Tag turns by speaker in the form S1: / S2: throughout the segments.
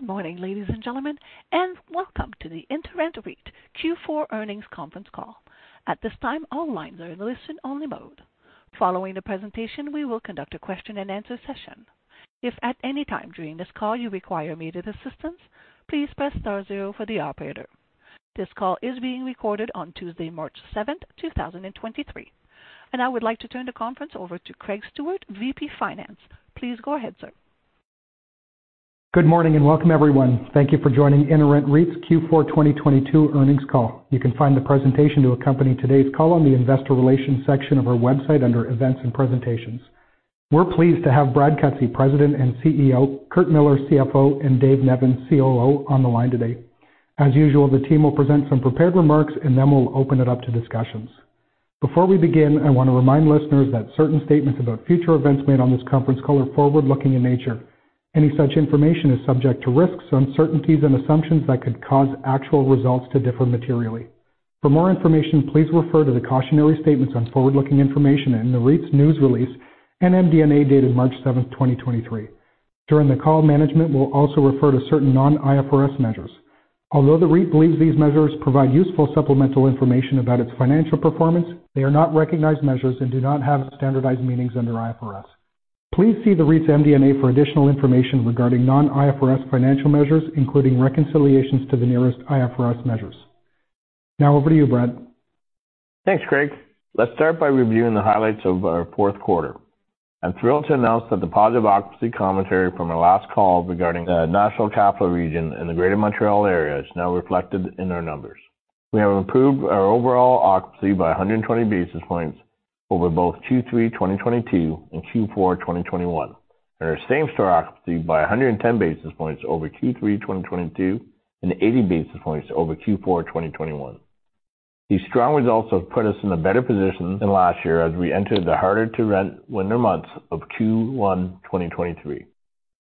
S1: Good morning, ladies and gentlemen, welcome to the InterRent REIT Q4 Earnings Conference Call. At this time, all lines are in listen only mode. Following the presentation, we will conduct a question and answer session. If at any time during this call you require immediate assistance, please press star zero for the operator. This call is being recorded on Tuesday, March 7th, 2023. I now would like to turn the conference over to Craig Stewart, VP, Finance. Please go ahead, sir.
S2: Good morning, and welcome, everyone. Thank you for joining InterRent REIT's Q4 2022 earnings call. You can find the presentation to accompany today's call on the investor relations section of our website under events and presentations. We're pleased to have Brad Cutsey, President and CEO, Curt Millar, CFO, and Dave Nevins, COO, on the line today. As usual, the team will present some prepared remarks, and then we'll open it up to discussions. Before we begin, I want to remind listeners that certain statements about future events made on this conference call are forward-looking in nature. Any such information is subject to risks, uncertainties, and assumptions that could cause actual results to differ materially. For more information, please refer to the cautionary statements on forward-looking information in the REIT's news release and MD&A dated March 7, 2023. During the call, management will also refer to certain non-IFRS measures. Although the REIT believes these measures provide useful supplemental information about its financial performance, they are not recognized measures and do not have standardized meanings under IFRS. Please see the REIT's MD&A for additional information regarding non-IFRS financial measures, including reconciliations to the nearest IFRS measures. Over to you, Brad.
S3: Thanks, Craig. Let's start by reviewing the highlights of our fourth quarter. I'm thrilled to announce that the positive occupancy commentary from our last call regarding the National Capital Region and the Greater Montreal area is now reflected in our numbers. We have improved our overall occupancy by 120 basis points over both Q3 2022 and Q4 2021, and our same-store occupancy by 110 basis points over Q3 2022 and 80 basis points over Q4 2021. These strong results have put us in a better position than last year as we enter the harder-to-rent winter months of Q1 2023 to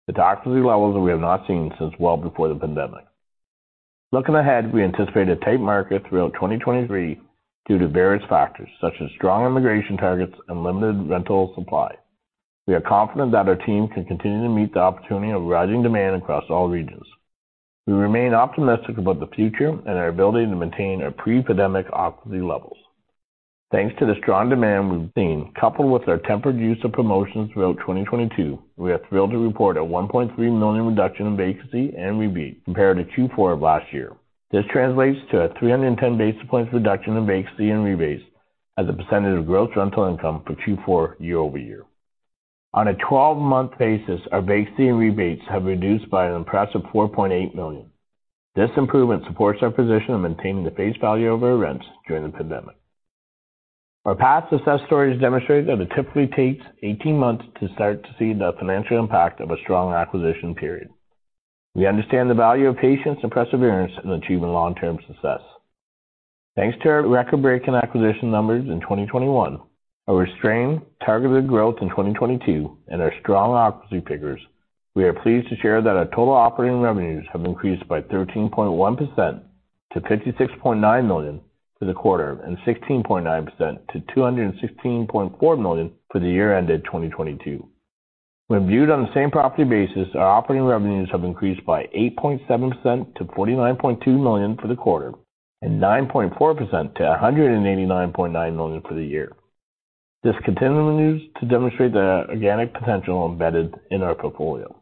S3: the occupancy levels that we have not seen since well before the pandemic. Looking ahead, we anticipate a tight market throughout 2023 due to various factors, such as strong immigration targets and limited rental supply. We are confident that our team can continue to meet the opportunity of rising demand across all regions. We remain optimistic about the future and our ability to maintain our pre-pandemic occupancy levels. Thanks to the strong demand we've seen, coupled with our tempered use of promotions throughout 2022, we are thrilled to report a 1.3 million reduction in vacancy and rebates compared to Q4 of last year. This translates to a 310 basis points reduction in vacancy and rebates as a percentage of gross rental income for Q4 year-over-year. On a 12-month basis, our vacancy and rebates have reduced by an impressive 4.8 million. This improvement supports our position of maintaining the face value of our rents during the pandemic. Our past success stories demonstrate that it typically takes 18 months to start to see the financial impact of a strong acquisition period. We understand the value of patience and perseverance in achieving long-term success. Thanks to our record-breaking acquisition numbers in 2021, our restrained targeted growth in 2022, and our strong occupancy figures, we are pleased to share that our total operating revenues have increased by 13.1% to 56.9 million for the quarter and 16.9% to 216.4 million for the year ended 2022. When viewed on the same property basis, our operating revenues have increased by 8.7% to 49.2 million for the quarter and 9.4% to 189.9 million for the year. This continues to demonstrate the organic potential embedded in our portfolio.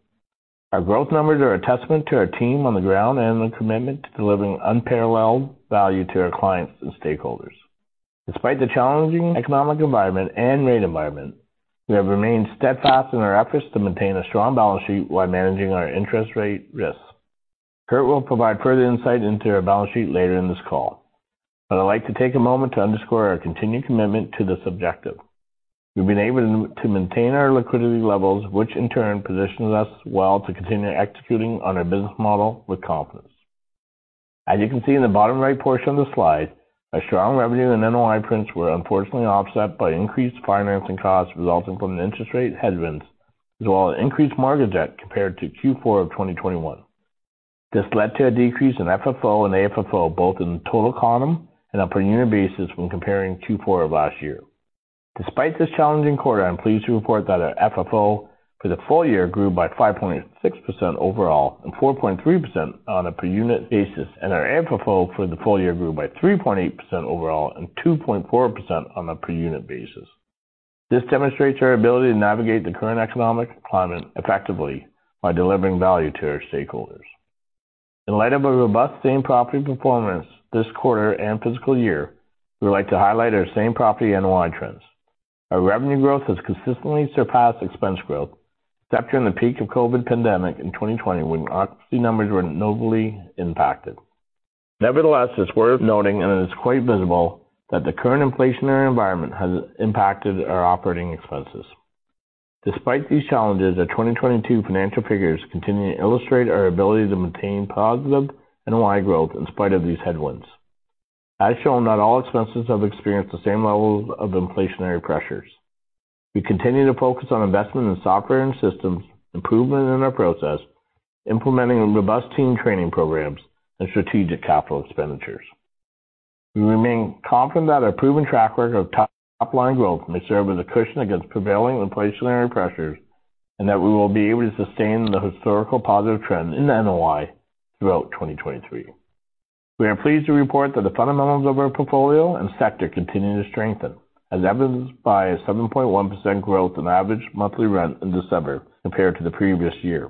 S3: Our growth numbers are a testament to our team on the ground and the commitment to delivering unparalleled value to our clients and stakeholders. Despite the challenging economic environment and rate environment, we have remained steadfast in our efforts to maintain a strong balance sheet while managing our interest rate risk. Curt will provide further insight into our balance sheet later in this call. I'd like to take a moment to underscore our continued commitment to this objective. We've been able to maintain our liquidity levels, which in turn positions us well to continue executing on our business model with confidence. As you can see in the bottom right portion of the slide, our strong revenue and NOI prints were unfortunately offset by increased financing costs resulting from the interest rate headwinds, as well as increased mortgage debt compared to Q4 of 2021. This led to a decrease in FFO and AFFO both in the total column and a per unit basis when comparing Q4 of last year. Despite this challenging quarter, I'm pleased to report that our FFO for the full year grew by 5.6% overall and 4.3% on a per unit basis, and our AFFO for the full year grew by 3.8% overall and 2.4% on a per unit basis. This demonstrates our ability to navigate the current economic climate effectively while delivering value to our stakeholders. In light of a robust same-property performance this quarter and fiscal year, we would like to highlight our same-property NOI trends. Our revenue growth has consistently surpassed expense growth, except during the peak of COVID pandemic in 2020 when occupancy numbers were notably impacted. Nevertheless, it's worth noting, and it is quite visible that the current inflationary environment has impacted our operating expenses. Despite these challenges, our 2022 financial figures continue to illustrate our ability to maintain positive NOI growth in spite of these headwinds. As shown, not all expenses have experienced the same levels of inflationary pressures. We continue to focus on investment in software and systems, improvement in our process, implementing robust team training programs, and strategic capital expenditures. We remain confident that our proven track record of top-line growth may serve as a cushion against prevailing inflationary pressures, and that we will be able to sustain the historical positive trend in the NOI throughout 2023. We are pleased to report that the fundamentals of our portfolio and sector continue to strengthen, as evidenced by a 7.1% growth in average monthly rent in December compared to the previous year.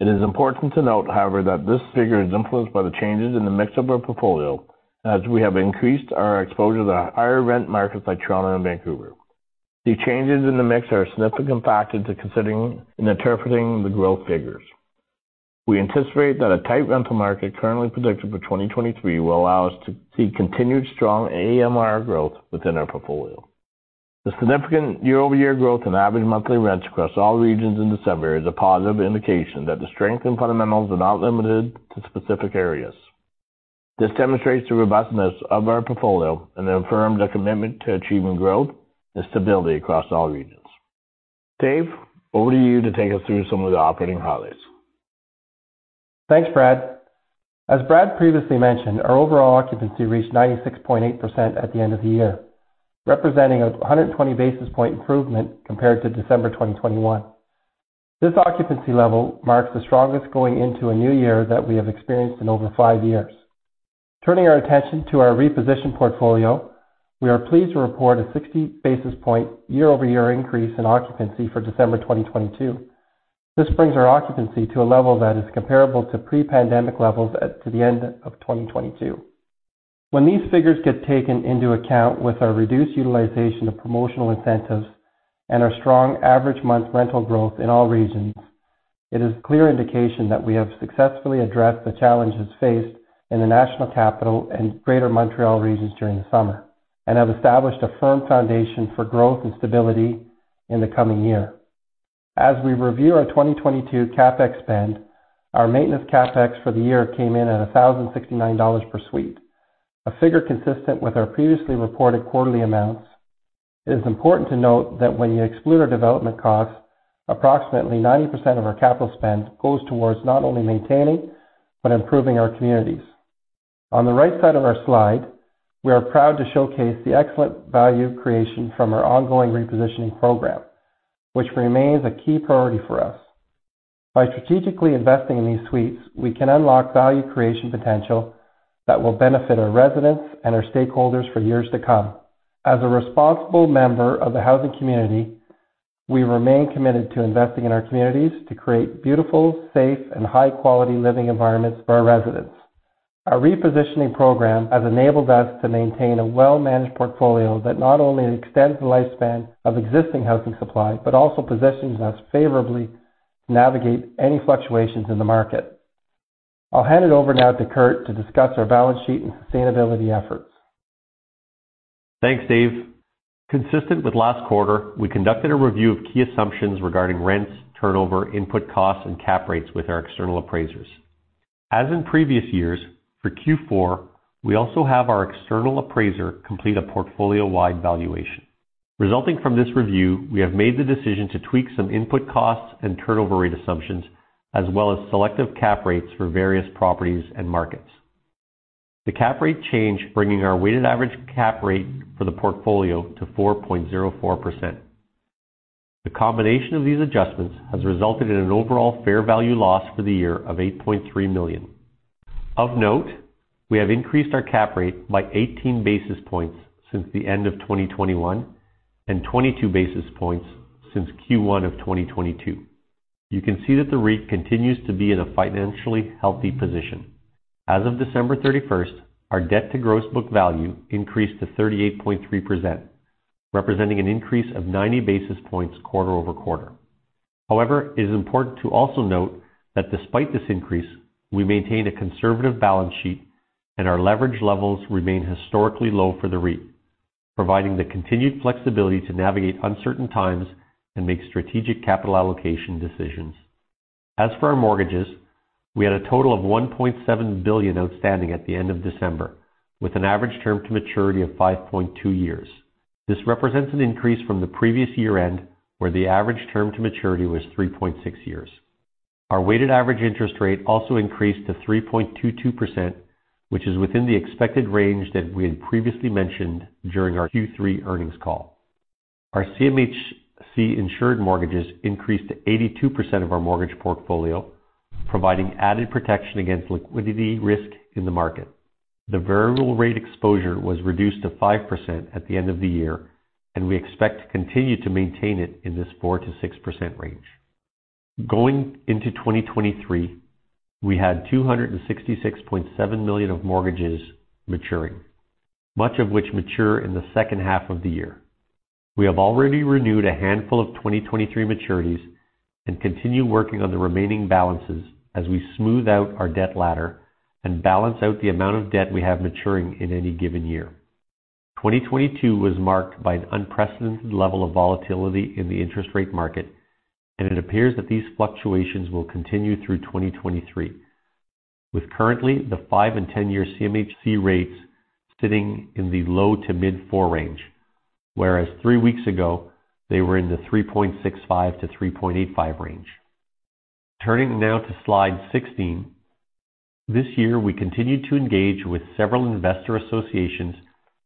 S3: It is important to note, however, that this figure is influenced by the changes in the mix of our portfolio as we have increased our exposure to higher rent markets like Toronto and Vancouver. These changes in the mix are a significant factor to considering in interpreting the growth figures. We anticipate that a tight rental market currently predicted for 2023 will allow us to see continued strong AMR growth within our portfolio. The significant year-over-year growth in average monthly rents across all regions in December is a positive indication that the strength in fundamentals are not limited to specific areas. This demonstrates the robustness of our portfolio and affirms our commitment to achieving growth and stability across all regions. Dave, over to you to take us through some of the operating highlights.
S4: Thanks, Brad. As Brad previously mentioned, our overall occupancy reached 96.8% at the end of the year, representing 120 basis point improvement compared to December 2021. This occupancy level marks the strongest going into a new year that we have experienced in over 5 years. Turning our attention to our repositioned portfolio, we are pleased to report a 60 basis point year-over-year increase in occupancy for December 2022. This brings our occupancy to a level that is comparable to pre-pandemic levels at to the end of 2022. When these figures get taken into account with our reduced utilization of promotional incentives and our strong average month rental growth in all regions, it is clear indication that we have successfully addressed the challenges faced in the National Capital and Greater Montreal regions during the summer and have established a firm foundation for growth and stability in the coming year. As we review our 2022 CapEx spend, our maintenance CapEx for the year came in at 1,069 dollars per suite, a figure consistent with our previously reported quarterly amounts. It is important to note that when you exclude our development costs, approximately 90% of our capital spend goes towards not only maintaining, but improving our communities. On the right side of our slide, we are proud to showcase the excellent value creation from our ongoing repositioning program, which remains a key priority for us. By strategically investing in these suites, we can unlock value creation potential that will benefit our residents and our stakeholders for years to come. As a responsible member of the housing community, we remain committed to investing in our communities to create beautiful, safe, and high-quality living environments for our residents. Our repositioning program has enabled us to maintain a well-managed portfolio that not only extends the lifespan of existing housing supply, but also positions us favorably to navigate any fluctuations in the market. I'll hand it over now to Curt to discuss our balance sheet and sustainability efforts.
S5: Thanks, Dave. Consistent with last quarter, we conducted a review of key assumptions regarding rents, turnover, input costs, and cap rates with our external appraisers. As in previous years, for Q4, we also have our external appraiser complete a portfolio-wide valuation. Resulting from this review, we have made the decision to tweak some input costs and turnover rate assumptions, as well as selective cap rates for various properties and markets. The cap rate change, bringing our weighted average cap rate for the portfolio to 4.04%. The combination of these adjustments has resulted in an overall fair value loss for the year of 8.3 million. Of note, we have increased our cap rate by 18 basis points since the end of 2021 and 22 basis points since Q1 of 2022. You can see that the REIT continues to be in a financially healthy position. As of December 31st, our Debt to Gross Book Value increased to 38.3%, representing an increase of 90 basis points quarter-over-quarter. However, it is important to also note that despite this increase, we maintain a conservative balance sheet and our leverage levels remain historically low for the REIT, providing the continued flexibility to navigate uncertain times and make strategic capital allocation decisions. As for our mortgages, we had a total of 1.7 billion outstanding at the end of December, with an average term to maturity of 5.2 years. This represents an increase from the previous year-end, where the average term to maturity was 3.6 years. Our weighted average interest rate also increased to 3.22%, which is within the expected range that we had previously mentioned during our Q3 earnings call. Our CMHC insured mortgages increased to 82% of our mortgage portfolio, providing added protection against liquidity risk in the market. The variable rate exposure was reduced to 5% at the end of the year. We expect to continue to maintain it in this 4%-6% range. Going into 2023, we had 266.7 million of mortgages maturing, much of which mature in the second half of the year. We have already renewed a handful of 2023 maturities and continue working on the remaining balances as we smooth out our debt ladder and balance out the amount of debt we have maturing in any given year. 2022 was marked by an unprecedented level of volatility in the interest rate market. It appears that these fluctuations will continue through 2023, with currently the 5 and 10-year CMHC rates sitting in the low to mid 4% range, whereas 3 weeks ago, they were in the 3.65%-3.85% range. Turning now to slide 16. This year we continued to engage with several investor associations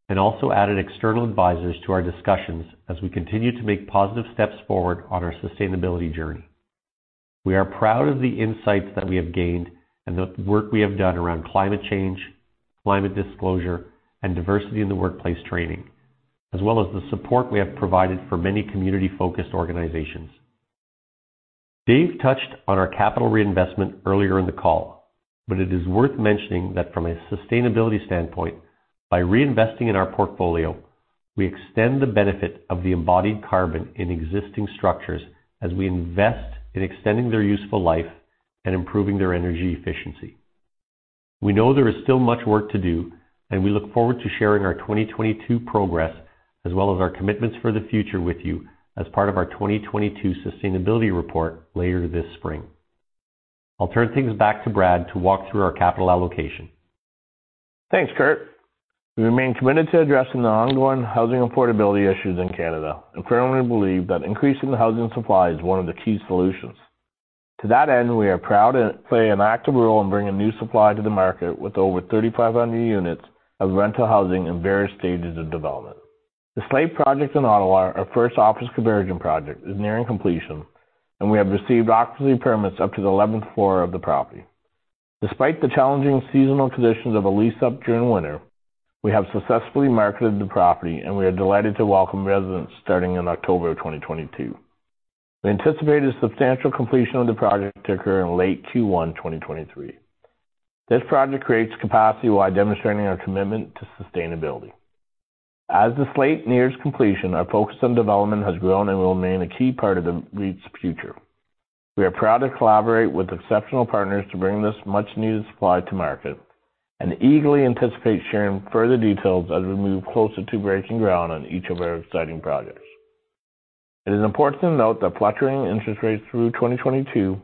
S5: and also added external advisors to our discussions as we continue to make positive steps forward on our sustainability journey. We are proud of the insights that we have gained and the work we have done around climate change, climate disclosure, and diversity in the workplace training, as well as the support we have provided for many community-focused organizations. Dave touched on our capital reinvestment earlier in the call. It is worth mentioning that from a sustainability standpoint, by reinvesting in our portfolio, we extend the benefit of the embodied carbon in existing structures as we invest in extending their useful life and improving their energy efficiency. We know there is still much work to do. We look forward to sharing our 2022 progress as well as our commitments for the future with you as part of our 2022 sustainability report later this spring. I'll turn things back to Brad to walk through our capital allocation.
S3: Thanks, Curt. We remain committed to addressing the ongoing housing affordability issues in Canada and firmly believe that increasing the housing supply is one of the key solutions. To that end, we are proud to play an active role in bringing new supply to the market with over 3,500 units of rental housing in various stages of development. The Slayte project in Ottawa, our first office conversion project, is nearing completion, and we have received occupancy permits up to the 11th floor of the property. Despite the challenging seasonal conditions of a lease-up during winter, we have successfully marketed the property, and we are delighted to welcome residents starting in October of 2022. We anticipate a substantial completion of the project to occur in late Q1, 2023. This project creates capacity while demonstrating our commitment to sustainability. As The Slayte nears completion, our focus on development has grown and will remain a key part of the REIT's future. We are proud to collaborate with exceptional partners to bring this much-needed supply to market and eagerly anticipate sharing further details as we move closer to breaking ground on each of our exciting projects. It is important to note that fluctuating interest rates through 2022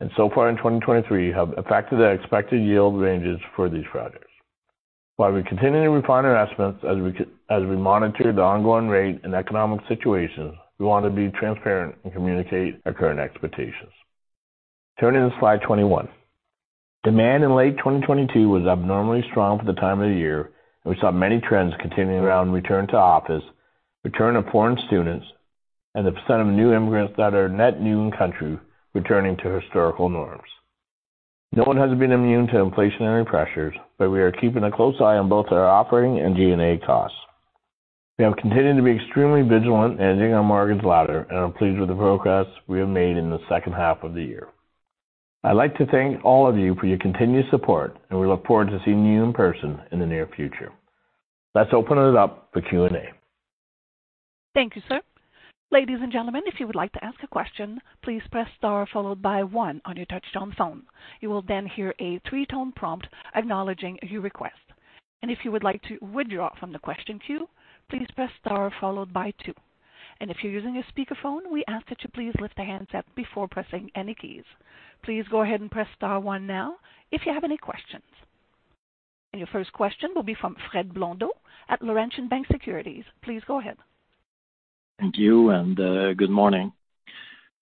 S3: and so far in 2023 have affected the expected yield ranges for these projects. While we continue to refine our estimates as we monitor the ongoing rate and economic situations, we want to be transparent and communicate our current expectations. Turning to slide 21. Demand in late 2022 was abnormally strong for the time of year, and we saw many trends continuing around return to office, return of foreign students, and the % of new immigrants that are net new in country returning to historical norms. No one has been immune to inflationary pressures, but we are keeping a close eye on both our operating and G&A costs. We have continued to be extremely vigilant managing our mortgage ladder and are pleased with the progress we have made in the second half of the year. I'd like to thank all of you for your continued support and we look forward to seeing you in person in the near future. Let's open it up for Q&A.
S1: Thank you, sir. Ladies and gentlemen, if you would like to ask a question, please press star followed by 1 on your touchtone phone. You will then hear a three-tone prompt acknowledging your request. If you would like to withdraw from the question queue, please press star followed by 2. If you're using a speakerphone, we ask that you please lift the handset before pressing any keys. Please go ahead and press star 1 now if you have any questions. Your first question will be from Frédéric Blondeau at Laurentian Bank Securities. Please go ahead.
S6: Thank you. Good morning.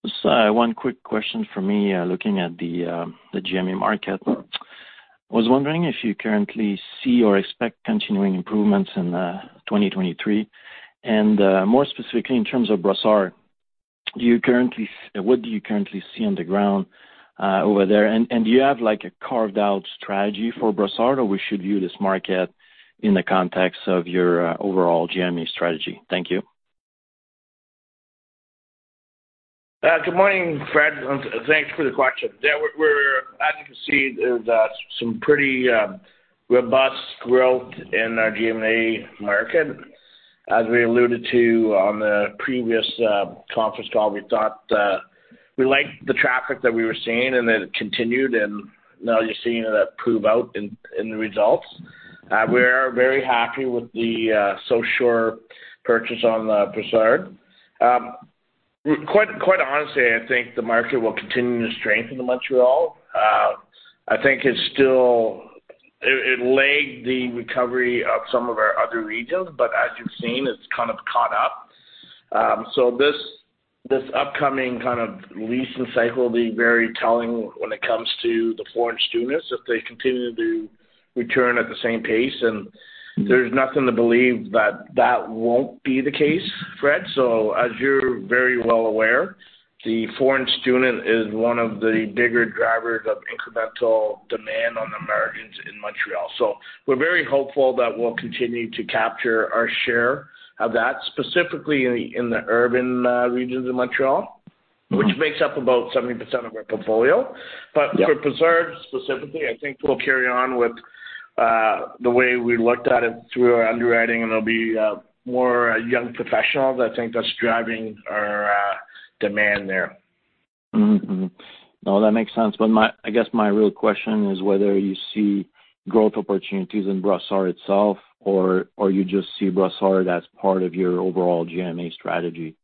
S6: Just one quick question from me, looking at the GMA market. I was wondering if you currently see or expect continuing improvements in 2023. More specifically in terms of Brossard, what do you currently see on the ground over there? Do you have like a carved-out strategy for Brossard, or we should view this market in the context of your overall GMA strategy? Thank you.
S3: Good morning, Fred. Thanks for the question. We're as you can see, there's some pretty robust growth in our GMA market. As we alluded to on the previous conference call, we thought we liked the traffic that we were seeing and that it continued, now you're seeing that prove out in the results. We are very happy with the SoSure purchase on Brossard. Quite honestly, I think the market will continue to strengthen in Montreal. I think it's still. It lagged the recovery of some of our other regions, as you've seen, it's kind of caught up. This upcoming kind of leasing seasont will be very telling when it comes to the foreign students, if they continue to return at the same pace. There's nothing to believe that that won't be the case, Fred. As you're very well aware, the foreign student is one of the bigger drivers of incremental demand on the markets in Montreal. We're very hopeful that we'll continue to capture our share of that, specifically in the urban regions of Montreal, which makes up about 70% of our portfolio. For Brossard specifically, I think we'll carry on with the way we looked at it through our underwriting. There'll be more young professionals. I think that's driving our demand there.
S6: Mm-hmm. No, that makes sense. I guess my real question is whether you see growth opportunities in Brossard itself or you just see Brossard as part of your overall GMA strategy.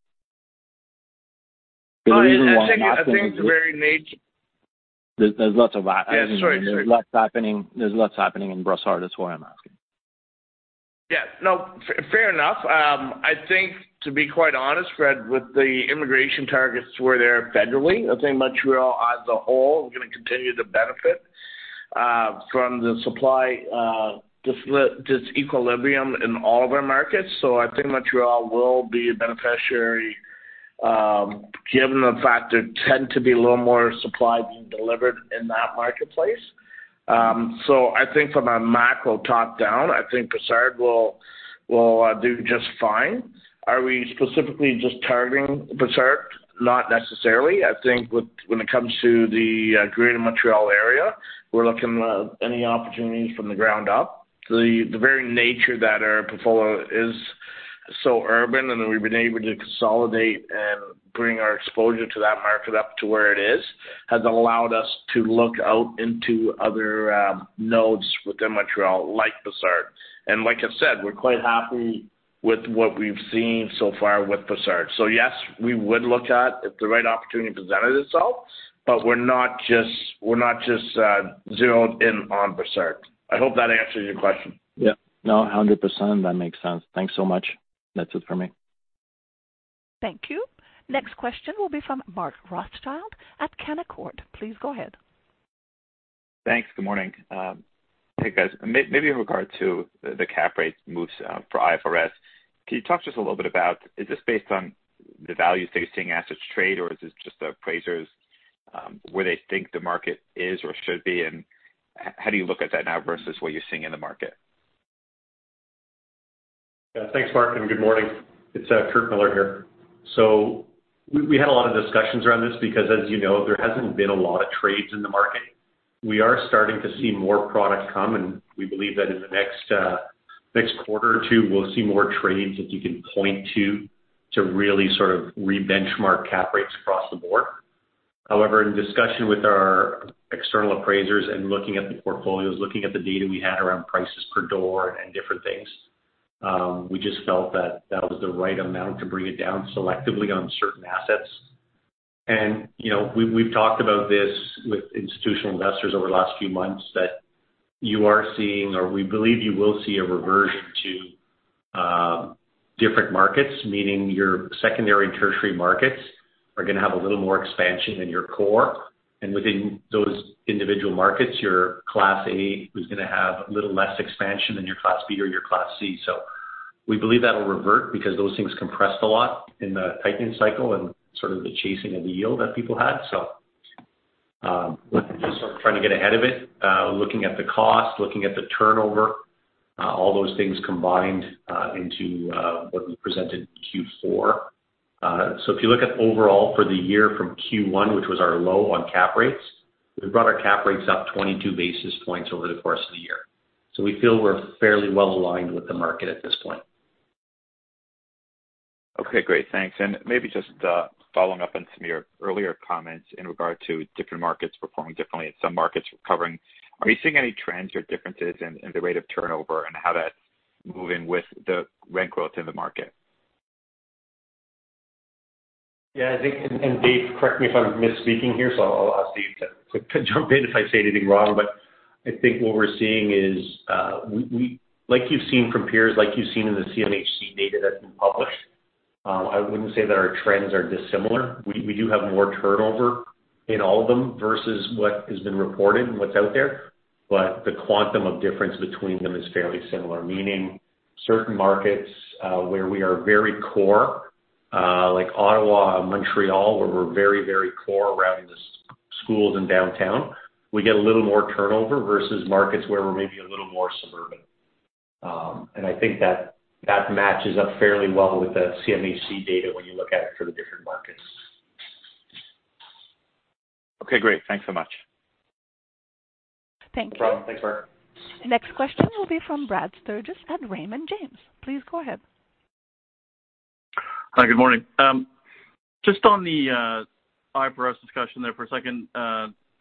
S6: The reason why I'm asking is-
S3: I think it's a very.
S6: There's lots of.
S3: Yeah, sorry.
S6: There's lots happening, there's lots happening in Brossard. That's why I'm asking.
S3: Yeah. No, fair enough. I think to be quite honest, Fred, with the immigration targets where they're federally, I think Montreal as a whole is gonna continue to benefit from the supply disequilibrium in all of our markets. I think Montreal will be a beneficiary, given the fact there tend to be a little more supply being delivered in that marketplace. I think from a macro top-down, I think Brossard will do just fine. Are we specifically just targeting Brossard? Not necessarily. I think when it comes to the greater Montreal area, we're looking at any opportunities from the ground up. The very nature that our portfolio is so urban, then we've been able to consolidate and bring our exposure to that market up to where it is, has allowed us to look out into other nodes within Montreal, like Brossard. Like I said, we're quite happy with what we've seen so far with Brossard. Yes, we would look at if the right opportunity presented itself, but we're not just zeroed in on Brossard. I hope that answers your question.
S6: 100% that makes sense. Thanks so much. That's it for me.
S1: Thank you. Next question will be from Mark Rothschild at Canaccord. Please go ahead.
S7: Thanks. Good morning, hey guys. Maybe in regard to the cap rate moves for IFRS. Can you talk to us a little bit about is this based on the values that you're seeing assets trade, or is this just appraisers, where they think the market is or should be? How do you look at that now versus what you're seeing in the market?
S5: Yeah. Thanks, Mark, and good morning. It's Curt Millar here. We had a lot of discussions around this because as you know, there hasn't been a lot of trades in the market. We are starting to see more product come, and we believe that in the next quarter or two, we'll see more trades that you can point to really sort of re-benchmark cap rates across the board. However, in discussion with our external appraisers and looking at the portfolios, looking at the data we had around prices per door and different things, we just felt that that was the right amount to bring it down selectively on certain assets. You know, we've talked about this with institutional investors over the last few months that you are seeing or we believe you will see a reversion to different markets. Meaning your secondary and tertiary markets are gonna have a little more expansion than your core. Within those individual markets, your class A is gonna have a little less expansion than your class B or your class C. We believe that'll revert because those things compressed a lot in the tightening cycle and sort of the chasing of the yield that people had. Just sort of trying to get ahead of it, looking at the cost, looking at the turnover, all those things combined into what we presented in Q4. If you look at overall for the year from Q1, which was our low on cap rates, we brought our cap rates up 22 basis points over the course of the year. We feel we're fairly well aligned with the market at this point.
S7: Okay, great. Thanks. Maybe just following up on some of your earlier comments in regard to different markets performing differently and some markets recovering. Are you seeing any trends or differences in the rate of turnover and how that's moving with the rent growth in the market?
S5: Yeah, I think, and Dave, correct me if I'm misspeaking here, so I'll ask Dave to jump in if I say anything wrong. I think what we're seeing is, we like you've seen from peers, like you've seen in the CMHC data that's been published, I wouldn't say that our trends are dissimilar. We do have more turnover in all of them versus what has been reported and what's out there. The quantum of difference between them is fairly similar, meaning certain markets, where we are very core, like Ottawa, Montreal, where we're very, very core around the schools and downtown, we get a little more turnover versus markets where we're maybe a little more suburban. I think that matches up fairly well with the CMHC data when you look at it for the different markets.
S7: Okay, great. Thanks so much.
S1: Thank you.
S5: No problem. Thanks, Mark.
S1: Next question will be from Brad Sturges at Raymond James. Please go ahead.
S8: Hi, good morning. Just on the IFRS discussion there for a second.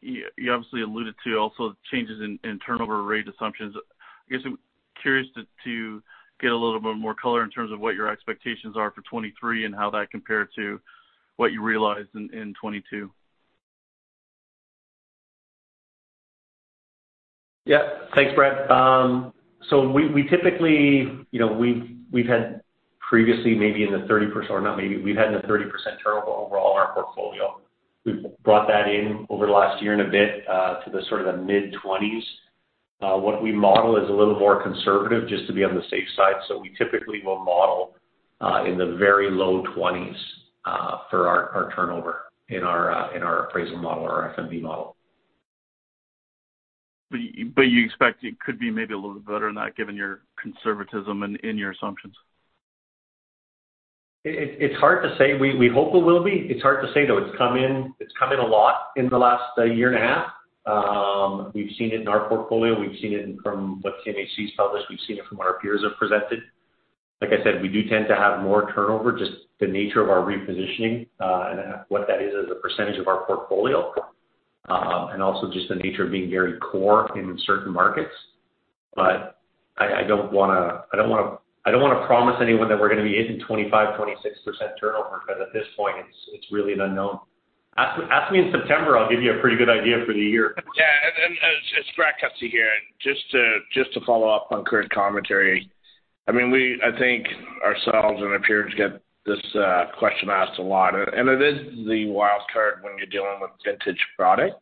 S8: You obviously alluded to also changes in turnover rate assumptions. I guess I'm curious to get a little bit more color in terms of what your expectations are for 2023 and how that compared to what you realized in 2022.
S5: Yeah. Thanks, Brad. We, we typically, you know, we've had previously maybe in the 30% or not maybe, we've had in the 30% turnover overall in our portfolio. We've brought that in over the last year and a bit, to the sort of the mid-20s. What we model is a little more conservative just to be on the safe side. We typically will model, in the very low 20s, for our turnover in our, in our appraisal model or our FNB model.
S8: You expect it could be maybe a little bit better than that given your conservatism in your assumptions?
S5: It's hard to say. We hope it will be. It's hard to say, though. It's come in a lot in the last year and a half. We've seen it in our portfolio. We've seen it from what CMHC has published. We've seen it from what our peers have presented. Like I said, we do tend to have more turnover, just the nature of our repositioning, and what that is as a percentage of our portfolio. and also just the nature of being very core in certain markets. I don't wanna promise anyone that we're gonna be hitting 25%-26% turnover because at this point it's really an unknown. Ask me in September, I'll give you a pretty good idea for the year.
S3: Yeah. It's Brad Cutsey here. Just to follow up on current commentary. I mean, I think ourselves and our peers get this question asked a lot, and it is the wild card when you're dealing with vintage product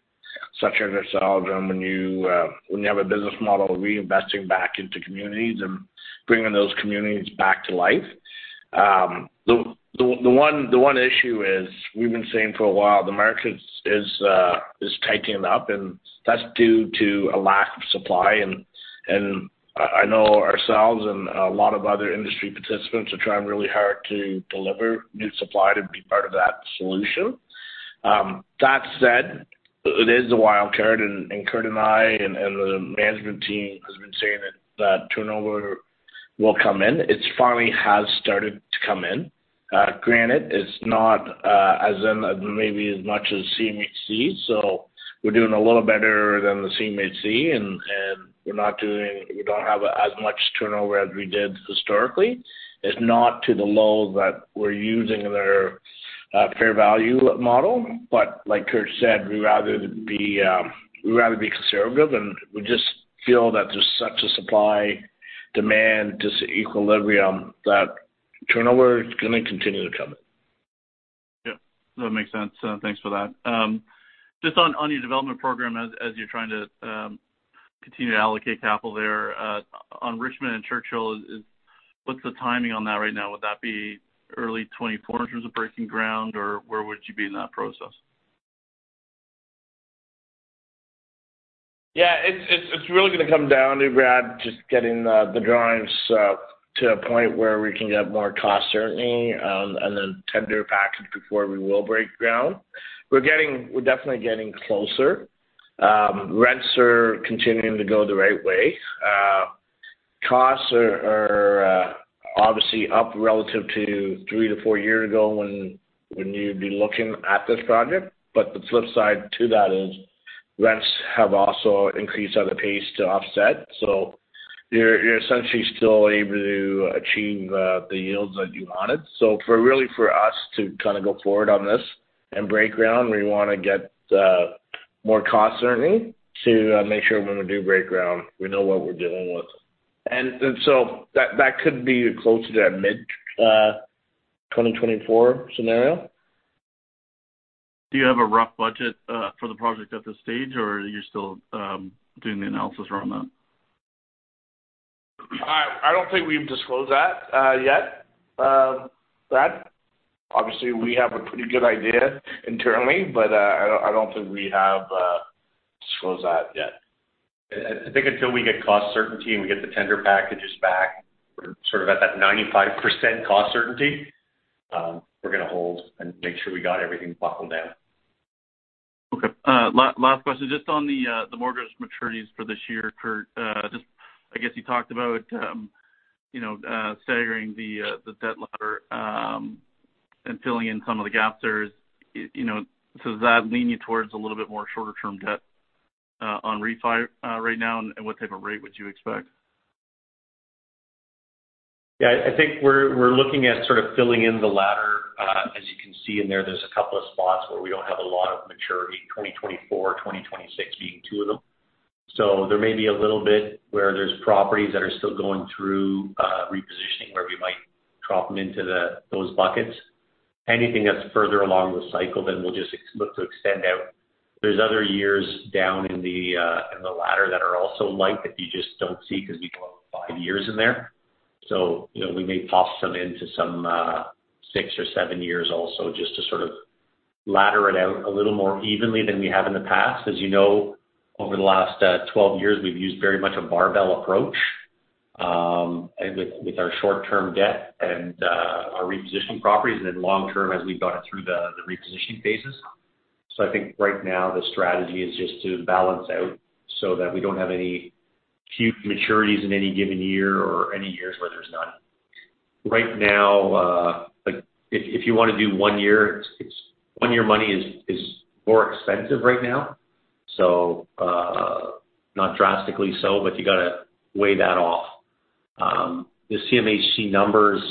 S3: such as ourselves and when you have a business model, reinvesting back into communities and bringing those communities back to life. The one issue is we've been saying for a while, the market is tightening up, and that's due to a lack of supply. I know ourselves and a lot of other industry participants are trying really hard to deliver new supply to be part of that solution. That said, it is a wild card, and Curt and I and the management team has been saying that turnover will come in. It's finally started to come in. Granted, it's not as in maybe as much as CMHC, so we're doing a little better than the CMHC, and we don't have as much turnover as we did historically. It's not to the lows that we're using their fair value model. Like Curt said, we'd rather be conservative, and we just feel that there's such a supply demand disequilibrium that turnover is going to continue to come in.
S8: Yeah, that makes sense. Thanks for that. Just on your development program as you're trying to continue to allocate capital there, on Richmond and Churchill. What's the timing on that right now? Would that be early 2024 in terms of breaking ground, or where would you be in that process?
S3: It's really gonna come down to Brad just getting the drawings to a point where we can get more cost certainty, then tender package before we will break ground. We're definitely getting closer. Rents are continuing to go the right way. Costs are obviously up relative to 3 to 4 years ago when you'd be looking at this project. The flip side to that is rents have also increased at a pace to offset. You're essentially still able to achieve the yields that you wanted. For really for us to kind of go forward on this and break ground, we wanna get more cost certainty to make sure when we do break ground, we know what we're dealing with. That could be closer to mid-2024 scenario.
S8: Do you have a rough budget for the project at this stage, or are you still doing the analysis around that?
S3: I don't think we've disclosed that yet. Brad, obviously we have a pretty good idea internally, but I don't think we have disclosed that yet.
S5: I think until we get cost certainty and we get the tender packages back, we're sort of at that 95% cost certainty, we're gonna hold and make sure we got everything buckled down.
S8: Okay. Last question. Just on the mortgage maturities for this year, Curt, just I guess you talked about, you know, staggering the debt ladder, and filling in some of the gaps there is, you know, so does that lean you towards a little bit more shorter term debt on refi right now? What type of rate would you expect?
S5: Yeah. I think we're looking at sort of filling in the ladder. As you can see in there's a couple of spots where we don't have a lot of maturity, 2024, 2026 being two of them. There may be a little bit where there's properties that are still going through repositioning where we might drop them into those buckets. Anything that's further along the cycle, then we'll just look to extend out. There's other years down in the ladder that are also light that you just don't see because we go out 5 years in there. You know, we may toss some into some 6 or 7 years also, just to sort of ladder it out a little more evenly than we have in the past. As you know, over the last 12 years, we've used very much a barbell approach, with our short term debt and our reposition properties. Then long term as we've gone through the repositioning phases. I think right now the strategy is just to balance out so that we don't have any huge maturities in any given year or any years where there's none. Right now, like if you want to do 1 year, 1 year money is more expensive right now, not drastically so, but you got to weigh that off. The CMHC numbers,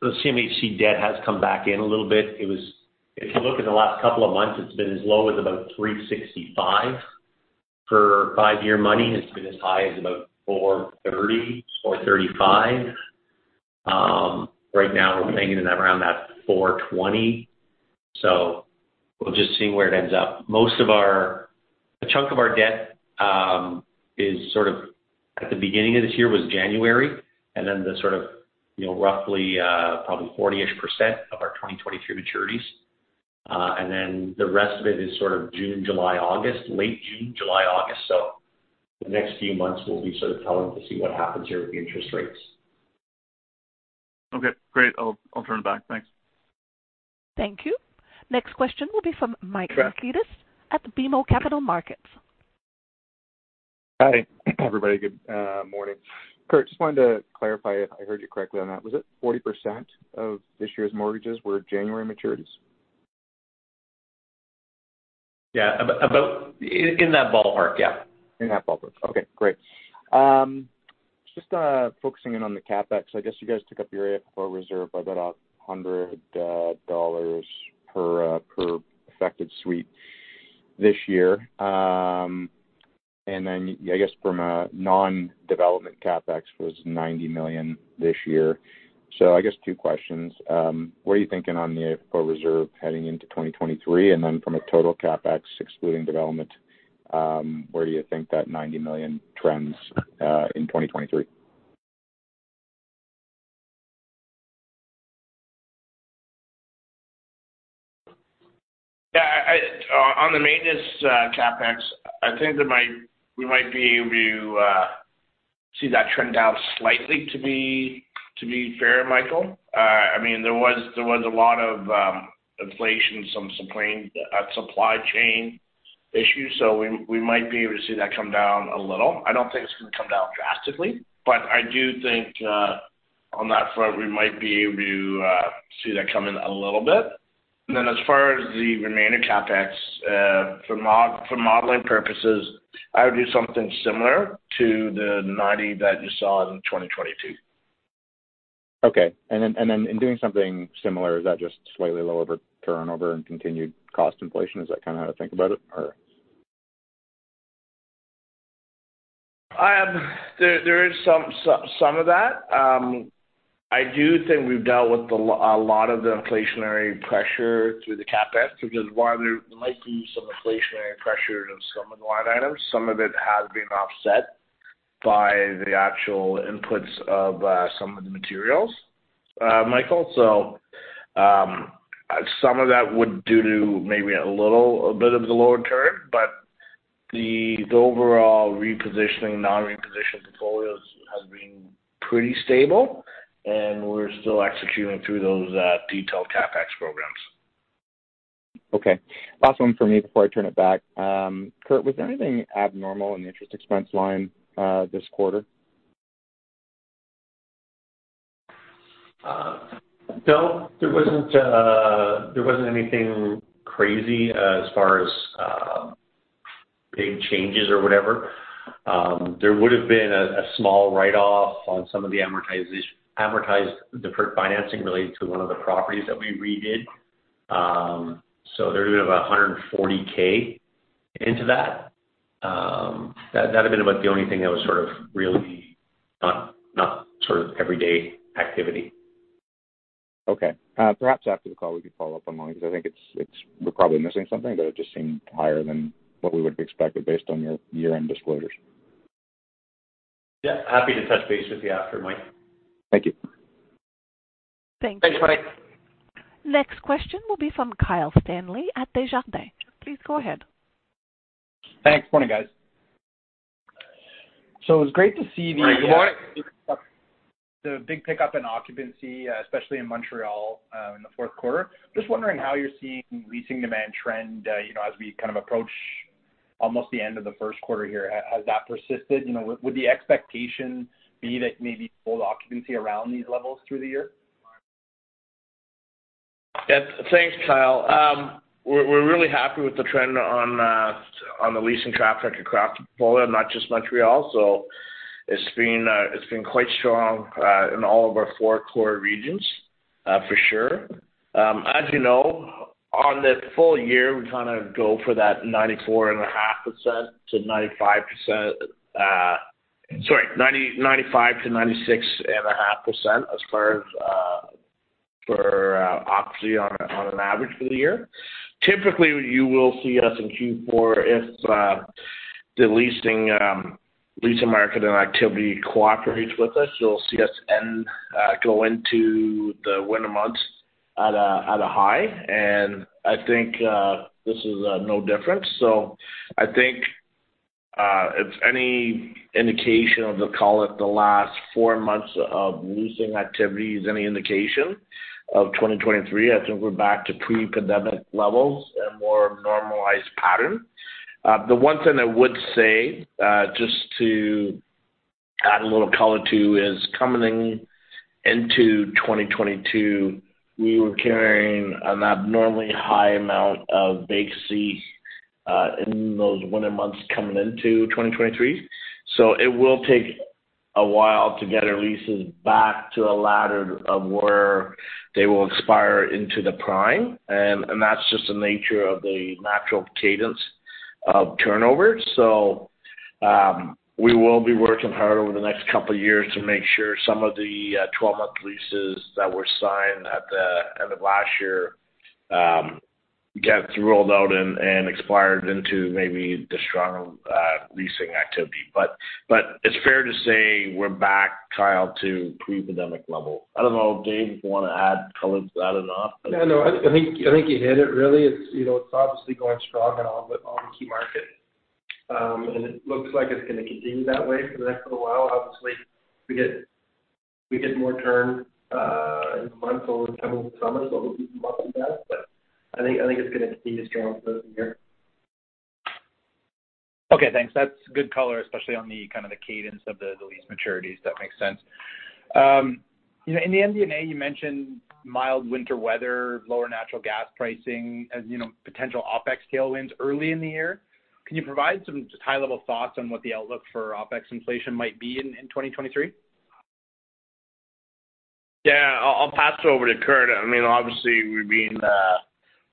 S5: the CMHC debt has come back in a little bit. If you look at the last couple of months, it's been as low as about 3.65%. For 5-year money, it's been as high as about 430, 435. Right now we're hanging in around that 420. We'll just see where it ends up. A chunk of our debt is sort of at the beginning of this year, was January, and then the sort of, you know, roughly, probably 40%-ish of our 2023 maturities. The rest of it is sort of June, July, August, late June, July, August. The next few months will be sort of telling to see what happens here with the interest rates.
S8: Okay, great. I'll turn it back. Thanks.
S1: Thank you. Next question will be from Michael Markidis at BMO Capital Markets.
S9: Hi, everybody. Good morning. Curt, just wanted to clarify if I heard you correctly on that. Was it 40% of this year's mortgages were January maturities?
S5: Yeah. In that ballpark, yeah.
S9: In that ballpark. Okay, great. just focusing in on the CapEx, I guess you guys took up your AFFO reserve by about CAD 100 per affected suite this year. Yeah, I guess from a non-development CapEx was 90 million this year. I guess two questions. What are you thinking on the AFFO reserve heading into 2023? From a total CapEx excluding development, where do you think that 90 million trends in 2023?
S3: Yeah. On the maintenance CapEx, I think we might be able to see that trend out slightly, to be fair, Michael. I mean, there was a lot of inflation, some supply chain issues, so we might be able to see that come down a little. I don't think it's gonna come down drastically, but I do think on that front, we might be able to see that come in a little bit. As far as the remaining CapEx, for modeling purposes, I would do something similar to the 90 that you saw in 2022.
S9: Okay. In doing something similar, is that just slightly lower over turnover and continued cost inflation? Is that kinda how to think about it or?
S3: There is some of that. I do think we've dealt with a lot of the inflationary pressure through the CapEx, which is why there might be some inflationary pressure in some of the line items. Some of it has been offset by the actual inputs of some of the materials, Michael. Some of that would due to maybe a little bit of the lower turn. But the overall repositioning, non-repositioning portfolios has been pretty stable, and we're still executing through those detailed CapEx programs.
S9: Okay. Last one for me before I turn it back. Curt, was there anything abnormal in the interest expense line, this quarter?
S5: No. There wasn't anything crazy as far as big changes or whatever. There would've been a small write-off on some of the amortized deferred financing related to one of the properties that we redid. There would've been about CAD 140K into that. That'd been about the only thing that was sort of really not sort of everyday activity.
S9: Okay. Perhaps after the call we can follow up on the line 'cause I think it's we're probably missing something, but it just seemed higher than what we would've expected based on your year-end disclosures.
S5: Happy to touch base with you after, Mike.
S9: Thank you.
S3: Thanks, Mike.
S1: Next question will be from Kyle Stanley at Desjardins. Please go ahead.
S10: Thanks. Morning, guys. It was great to see.
S3: Morning, Kyle.
S10: The big pickup in occupancy, especially in Montreal, in the fourth quarter. Just wondering how you're seeing leasing demand trend, you know, as we kind of approach almost the end of the first quarter here. Has that persisted? You know, would the expectation be that maybe hold occupancy around these levels through the year?
S3: Thanks, Kyle. We're really happy with the trend on the leasing traffic across the portfolio, not just Montreal. It's been quite strong in all of our four core regions for sure. As you know, on the full year, we kind of go for that 94.5% to 95%. 95%-96.5% as far as for occupancy on an average for the year. Typically, you will see us in Q4 if the leasing market and activity cooperates with us. You'll see us end go into the winter months at a high, and I think this is no different. I think, if any indication of the, call it, the last 4 months of leasing activity is any indication of 2023, I think we're back to pre-pandemic levels and more normalized pattern. The one thing I would say, just to add a little color to is, coming into 2022, we were carrying an abnormally high amount of vacancies in those winter months coming into 2023. It will take a while to get our leases back to a ladder of where they will expire into the prime, and that's just the nature of the natural cadence of turnover. We will be working hard over the next couple of years to make sure some of the 12-month leases that were signed at the end of last year get rolled out and expired into maybe the stronger leasing activity. It's fair to say we're back, Kyle, to pre-pandemic level. I don't know if Dave wanna add color to that or not.
S4: Yeah, no. I think you hit it really. It's, you know, it's obviously going strong in all the key markets. It looks like it's gonna continue that way for the next little while. Obviously, we get more turn in the months over coming summer, so we'll be watching that. I think it's gonna continue strong for the year.
S10: Okay, thanks. That's good color, especially on the kind of the cadence of the lease maturities. That makes sense. You know, in the MD&A, you mentioned mild winter weather, lower natural gas pricing as, you know, potential OpEx tailwinds early in the year. Can you provide some just high-level thoughts on what the outlook for OpEx inflation might be in 2023?
S3: Yeah. I'll pass it over to Curt. I mean, obviously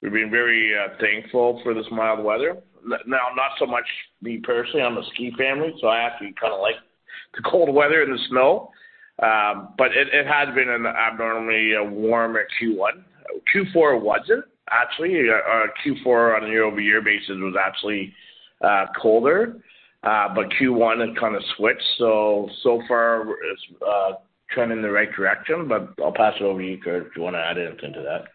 S3: we've been very thankful for this mild weather. Not so much me personally. I'm a ski family, so I actually kind of like the cold weather and the snow. It, it has been an abnormally warm Q1. Q4 wasn't, actually. Q4 on a year-over-year basis was actually colder. But Q1 it kind of switched. So far it's trending in the right direction, but I'll pass it over to you, Curt, if you wanna add anything to that.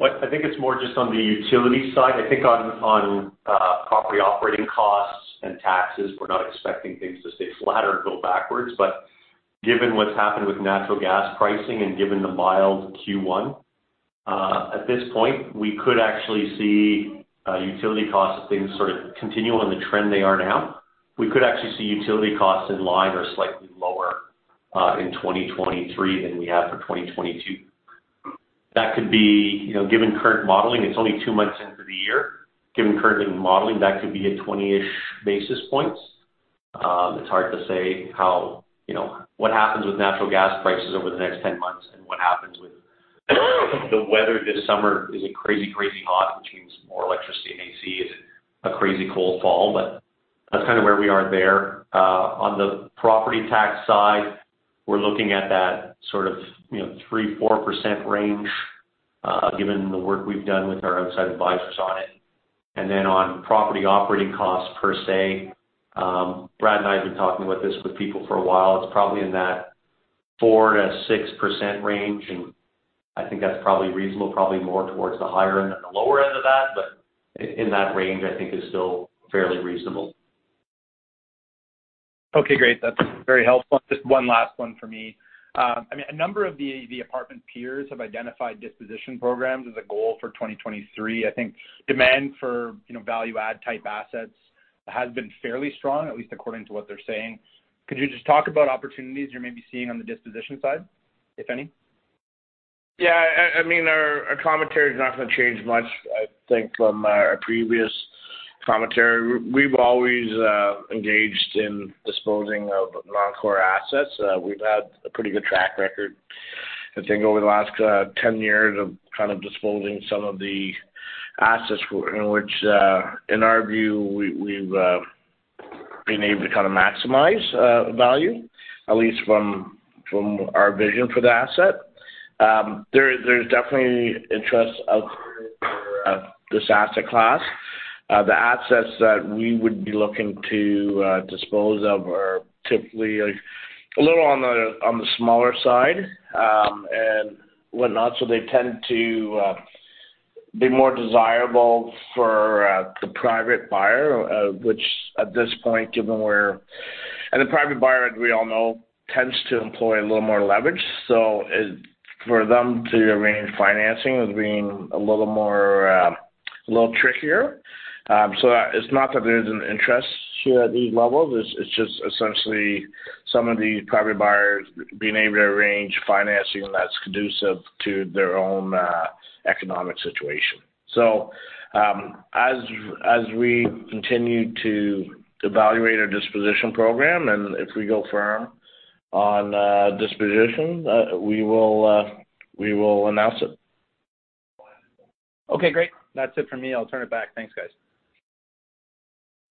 S5: I think it's more just on the utility side. I think on property operating costs and taxes, we're not expecting things to stay flat or go backwards, given what's happened with natural gas pricing and given the mild Q1, at this point, we could actually see utility costs, if things sort of continue on the trend they are now, we could actually see utility costs in line or slightly lower in 2023 than we have for 2022. That could be. You know, given current modeling, it's only 2 months into the year. Given current modeling, that could be at 20-ish basis points. It's hard to say how, you know, what happens with natural gas prices over the next 10 months and what happens with the weather this summer. Is it crazy hot, which means more electricity and AC? Is it a crazy cold fall? That's kind of where we are there. On the property tax side, we're looking at that sort of, you know, 3%-4% range, given the work we've done with our outside advisors on it. Then on property operating costs per se, Brad and I have been talking about this with people for a while. It's probably in that 4%-6% range, and I think that's probably reasonable, probably more towards the higher end than the lower end of that. In that range, I think is still fairly reasonable.
S10: Okay, great. That's very helpful. Just one last one for me. I mean, a number of the apartment peers have identified disposition programs as a goal for 2023. I think demand for, you know, value add type assets has been fairly strong, at least according to what they're saying. Could you just talk about opportunities you're maybe seeing on the disposition side, if any?
S3: I mean, our commentary is not gonna change much, I think, from our previous commentary. We've always engaged in disposing of non-core assets. We've had a pretty good track record, I think, over the last 10 years of kind of disposing some of the assets in which, in our view, we've been able to kind of maximize value, at least from our vision for the asset. There's definitely interest out there for this asset class. The assets that we would be looking to dispose of are typically a little on the smaller side, and whatnot, so they tend to be more desirable for the private buyer, which at this point, given we're... The private buyer, as we all know, tends to employ a little more leverage. For them to arrange financing is being a little more, a little trickier. It's not that there's an interest here at these levels. It's just essentially some of the private buyers being able to arrange financing that's conducive to their own economic situation. As we continue to evaluate our disposition program, and if we go firm on disposition, we will announce it.
S10: Okay, great. That's it for me. I'll turn it back. Thanks, guys.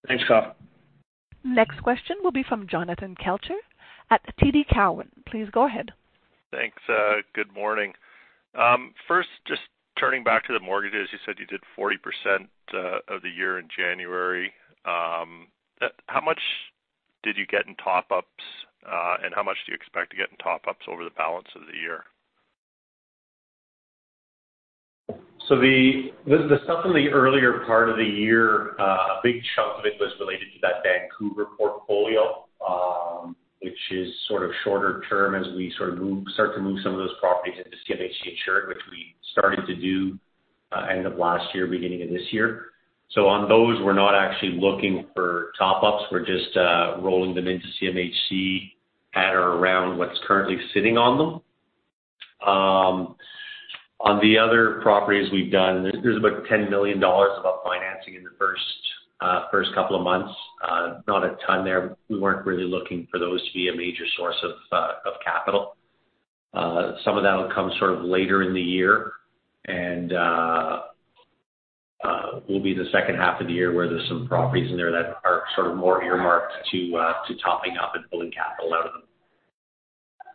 S3: Thanks, Kyle.
S1: Next question will be from Jonathan Kelcher at TD Cowen. Please go ahead.
S11: Thanks. Good morning. First, just turning back to the mortgages, you said you did 40% of the year in January. How much did you get in top ups, and how much do you expect to get in top ups over the balance of the year?
S5: The stuff in the earlier part of the year, a big chunk of it was related to that Vancouver portfolio, which is sort of shorter term as we sort of start to move some of those properties into CMHC insured, which we started to do, end of last year, beginning of this year. On those, we're not actually looking for top ups. We're just rolling them into CMHC at or around what's currently sitting on them. On the other properties we've done, there's about 10 million dollars of financing in the first couple of months. Not a ton there. We weren't really looking for those to be a major source of capital. Some of that'll come sort of later in the year and will be the second half of the year where there's some properties in there that are sort of more earmarked to topping up and pulling capital out of them.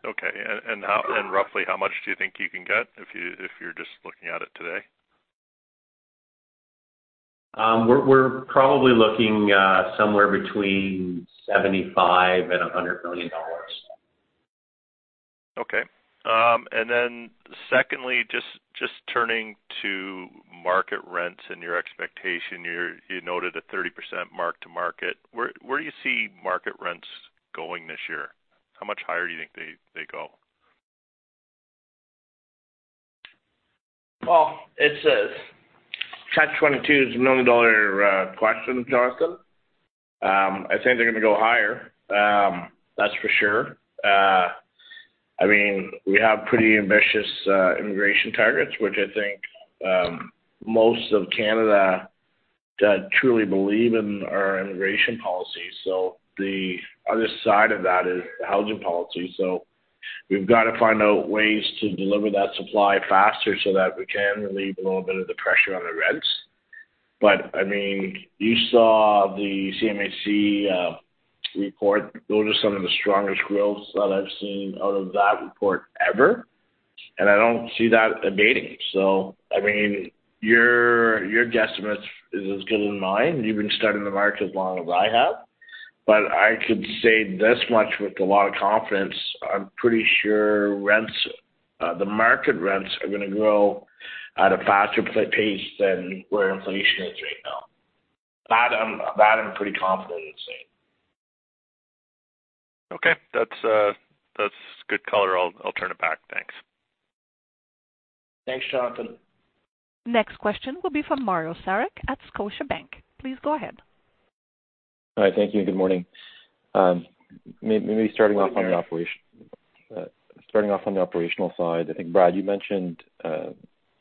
S11: Okay. Roughly how much do you think you can get if you're just looking at it today?
S5: We're probably looking, somewhere between 75 million and 100 million dollars.
S11: Okay. Secondly, just turning to market rents and your expectation, you noted a 30% mark to market. Where do you see market rents going this year? How much higher do you think they go?
S3: It's a catch-22 is the million-dollar question, Jonathan. I think they're gonna go higher, that's for sure. I mean, we have pretty ambitious immigration targets, which I think most of Canada truly believe in our immigration policy. The other side of that is the housing policy. We've got to find out ways to deliver that supply faster so that we can relieve a little bit of the pressure on the rents. I mean, you saw the CMHC report. Those are some of the strongest growths that I've seen out of that report ever, and I don't see that abating. I mean, your guesstimate is as good as mine. You've been studying the market as long as I have. I could say this much with a lot of confidence. I'm pretty sure rents, the market rents are gonna grow at a faster pace than where inflation is right now. That I'm pretty confident in saying.
S11: Okay. That's good color. I'll turn it back. Thanks.
S3: Thanks, Jonathan.
S1: Next question will be from Mario Saric at Scotiabank. Please go ahead.
S12: All right. Thank you. Good morning. Maybe starting off on the operational side, I think, Brad, you mentioned in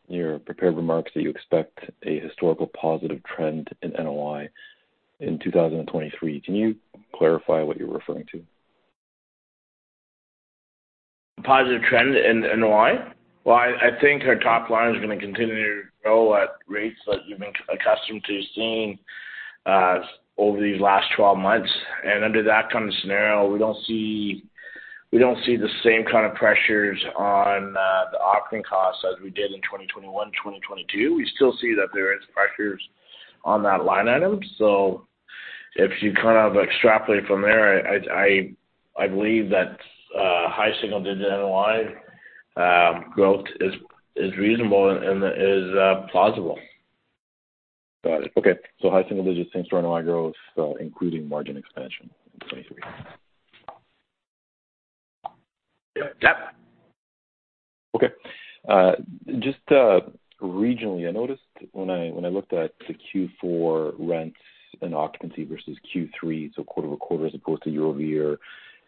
S12: your prepared remarks that you expect a historical positive trend in NOI in 2023. Can you clarify what you're referring to?
S3: Positive trend in NOI? Well, I think our top line is gonna continue to grow at rates that you've been accustomed to seeing over these last 12 months. Under that kind of scenario, we don't see the same kind of pressures on the operating costs as we did in 2021, 2022. We still see that there is pressures on that line item. If you kind of extrapolate from there, I believe that high single digit NOI growth is reasonable and is plausible.
S12: Got it. Okay. high single-digits in store NOI growth, including margin expansion in 23.
S3: Yep.
S12: Okay. Just regionally, I noticed when I looked at the Q4 rents and occupancy versus Q3, so quarter-over-quarter as opposed to year-over-year,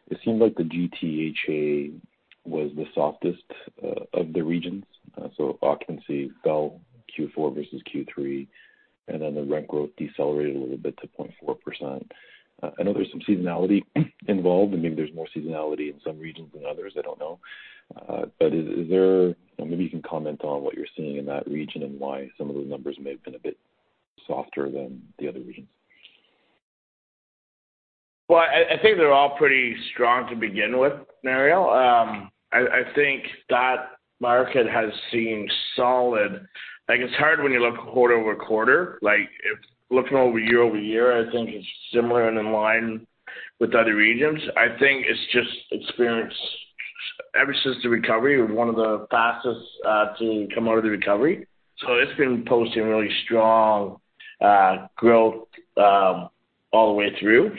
S12: it seemed like the GTHA was the softest of the regions. Occupancy fell Q4 versus Q3. The rent growth decelerated a little bit to 0.4%. I know there's some seasonality involved, and maybe there's more seasonality in some regions than others. I don't know. Is there, you know, maybe you can comment on what you're seeing in that region and why some of those numbers may have been a bit softer than the other regions.
S3: I think they're all pretty strong to begin with, Mario. I think that market has seemed solid. It's hard when you look quarter-over-quarter. If looking over year-over-year, I think it's similar and in line with other regions. I think it's just experienced, ever since the recovery, one of the fastest to come out of the recovery. It's been posting really strong growth all the way through.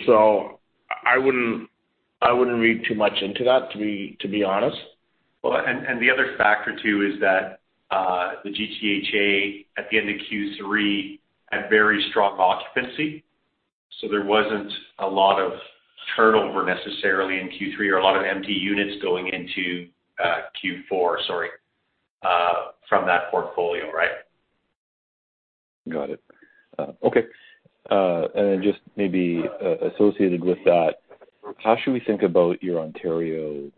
S3: I wouldn't read too much into that, to be honest.
S5: The other factor too is that the GTHA at the end of Q3 had very strong occupancy, so there wasn't a lot of turnover necessarily in Q3 or a lot of empty units going into Q4, sorry, from that portfolio, right?
S12: Got it. Okay. Just maybe associated with that, how should we think about your Ontario,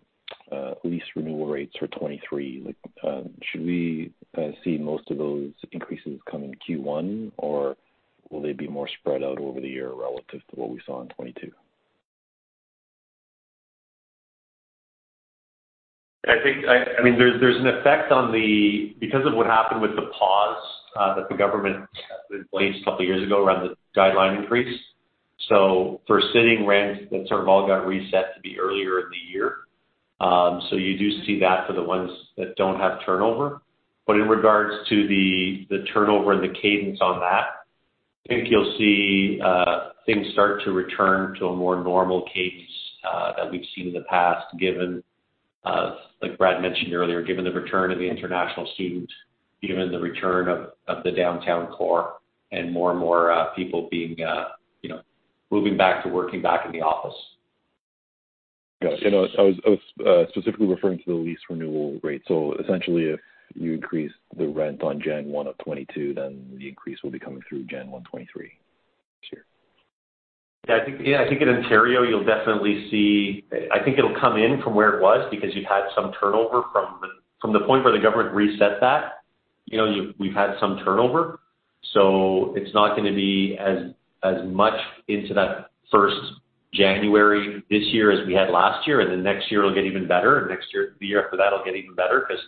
S12: lease renewal rates for 2023? Like, should we see most of those increases come in Q1, or will they be more spread out over the year relative to what we saw in 2022?
S5: I mean, there's an effect on the. Because of what happened with the pause that the government had been placed a couple of years ago around the guideline increase. For sitting rents, that sort of all got reset to be earlier in the year. You do see that for the ones that don't have turnover. In regards to the turnover and the cadence on that, I think you'll see things start to return to a more normal cadence that we've seen in the past, given like Brad mentioned earlier, given the return of the international student, given the return of the downtown core and more and more people being, you know, moving back to working back in the office.
S12: Got it. You know, I was specifically referring to the lease renewal rate. Essentially, if you increase the rent on January 1, 2022, the increase will be coming through January 1, 2023 this year.
S5: I think in Ontario, you'll definitely see. I think it'll come in from where it was because you had some turnover From the point where the government reset that, you know, we've had some turnover. It's not gonna be as much into that 1st January this year as we had last year. Next year it'll get even better, and the year after that it'll get even better because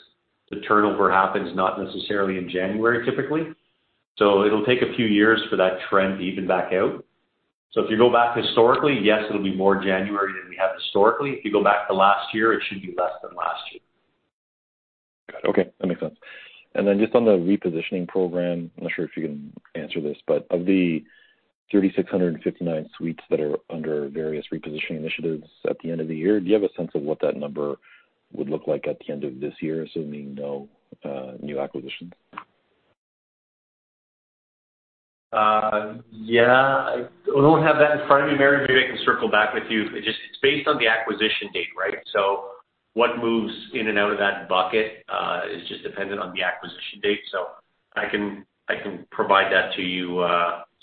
S5: the turnover happens not necessarily in January, typically. It'll take a few years for that trend to even back out. If you go back historically, yes, it'll be more January than we have historically. If you go back to last year, it should be less than last year.
S12: Got it. Okay. That makes sense. Just on the repositioning program, I'm not sure if you can answer this, of 3,659 suites that are under various repositioning initiatives at the end of the year. Do you have a sense of what that number would look like at the end of this year, assuming no new acquisitions?
S5: Yeah. I don't have that in front of me, Mario. Maybe I can circle back with you. It's based on the acquisition date, right? What moves in and out of that bucket is just dependent on the acquisition date. I can, I can provide that to you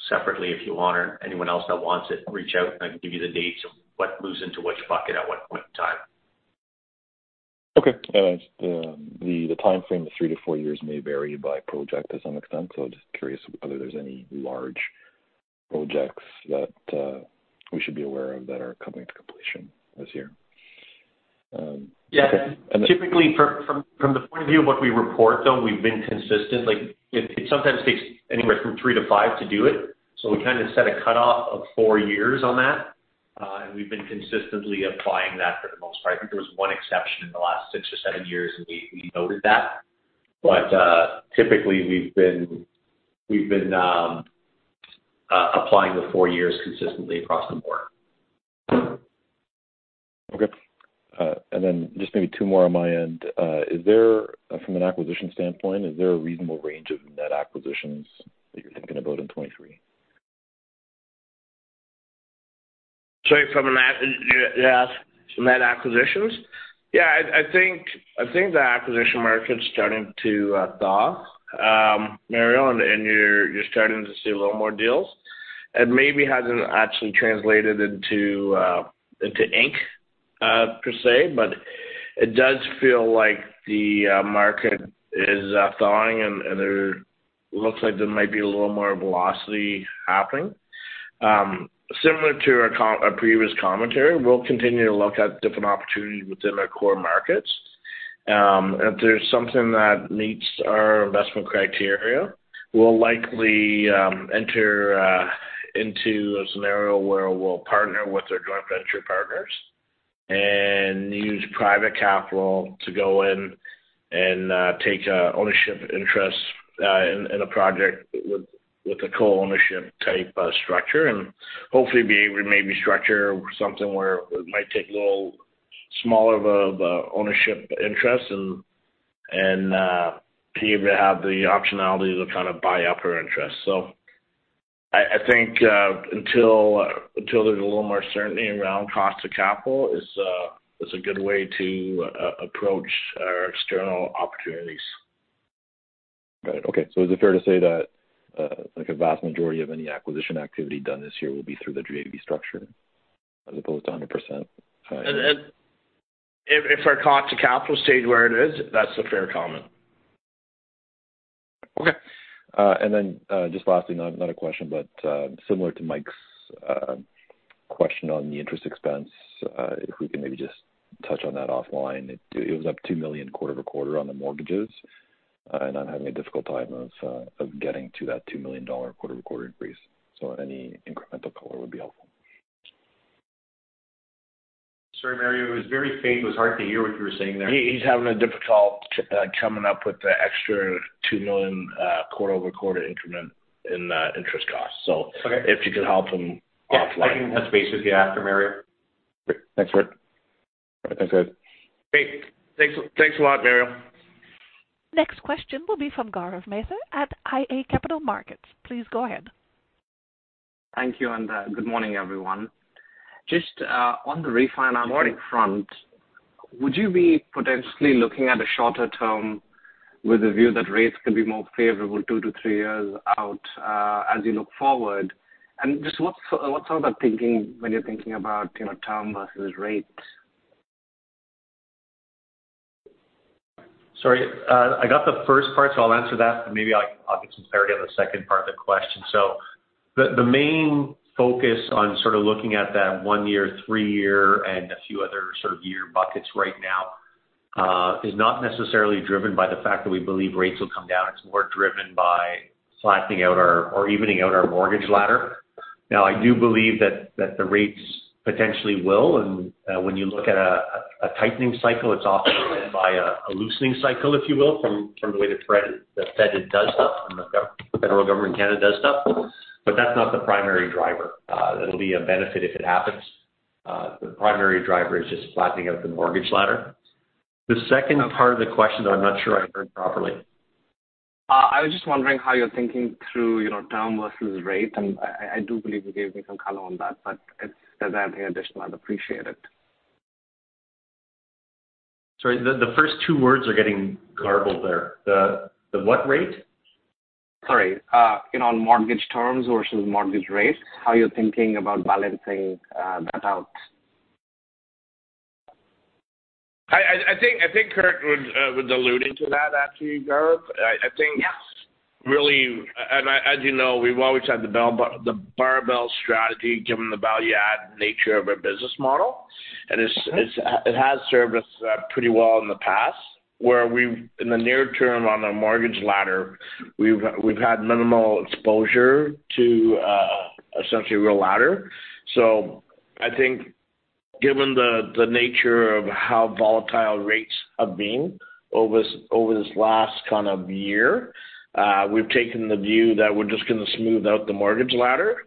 S5: separately if you want or anyone else that wants it. Reach out, and I can give you the dates of what moves into which bucket at what point in time.
S12: Okay. The timeframe of three to four years may vary by project to some extent. Just curious whether there's any large projects that we should be aware of that are coming to completion this year?
S5: Yeah.
S12: Okay.
S5: Typically from the point of view of what we report, though, we've been consistent. Like, it sometimes takes anywhere from three to five to do it, so we kinda set a cutoff of four years on that. We've been consistently applying that for the most part. I think there was one exception in the last six or seven years, and we noted that. Typically, we've been applying the four years consistently across the board.
S12: Okay. Just maybe two more on my end. From an acquisition standpoint, is there a reasonable range of net acquisitions that you're thinking about in 2023?
S3: Sorry, Yeah, net acquisitions? Yeah, I think the acquisition market's starting to thaw, Mario, and you're starting to see a little more deals. It maybe hasn't actually translated into ink per se, but it does feel like the market is thawing, and there looks like there might be a little more velocity happening. Similar to our previous commentary, we'll continue to look at different opportunities within our core markets. If there's something that meets our investment criteria, we'll likely enter into a scenario where we'll partner with our joint venture partners and use private capital to go in and take ownership interest in a project with a co-ownership type structure and hopefully be able to maybe structure something where it might take a little smaller of a, of a ownership interest and be able to have the optionality to kind of buy up our interest. I think until there's a little more certainty around cost of capital is a good way to approach our external opportunities.
S12: Got it. Okay. Is it fair to say that, like, a vast majority of any acquisition activity done this year will be through the JV structure as opposed to 100%?
S3: If our cost to capital stayed where it is, that's a fair comment.
S12: Okay. Then, just lastly, not a question, but similar to Mike's question on the interest expense, if we can maybe just touch on that offline. It was up 2 million quarter-over-quarter on the mortgages, and I'm having a difficult time of getting to that 2 million dollar quarter-over-quarter increase. Any incremental color would be helpful.
S5: Sorry, Mario. It was very faint. It was hard to hear what you were saying there.
S3: He's having a difficult coming up with the extra 2 million quarter-over-quarter increment in the interest cost.
S12: Okay.
S3: If you could help him offline.
S5: Yeah. I can touch base with you after, Mario.
S12: Great. Thanks, Curt. All right. That's it.
S3: Great. Thanks, thanks a lot, Mario.
S1: Next question will be from Gaurav Mehta at iA Capital Markets. Please go ahead.
S13: Thank you, and, good morning, everyone. Just, on the refinancing.
S5: Good morning....
S13: front, would you be potentially looking at a shorter term with a view that rates could be more favorable 2-3 years out, as you look forward? Just what's sort of that thinking when you're thinking about, you know, term versus rate?
S5: Sorry. I got the first part, so I'll answer that. Maybe I'll get some clarity on the second part of the question. The main focus on sort of looking at that 1-year, 3-year, and a few other sort of year buckets right now is not necessarily driven by the fact that we believe rates will come down. It's more driven by flattening out our, or evening out our mortgage ladder. Now, I do believe that the rates potentially will, and when you look at a tightening cycle, it's often followed by a loosening cycle, if you will, from the way the Fed does stuff and the federal government in Canada does stuff. That's not the primary driver. That'll be a benefit if it happens. The primary driver is just flattening out the mortgage ladder. The second part of the question, though, I'm not sure I heard properly.
S13: I was just wondering how you're thinking through, you know, term versus rate, I do believe you gave me some color on that, but if there's anything additional, I'd appreciate it.
S5: Sorry, the first two words are getting garbled there. The what rate?
S13: Sorry. you know, on mortgage terms versus mortgage rates, how you're thinking about balancing that out?
S3: I think Curt would allude into that, actually, Gaurav. I think really. As you know, we've always had the barbell strategy, given the value add nature of our business model. It has served us pretty well in the past, where we've in the near term on the mortgage ladder, we've had minimal exposure to essentially real ladder. I think given the nature of how volatile rates have been over this, over this last kind of year, we've taken the view that we're just gonna smooth out the mortgage ladder.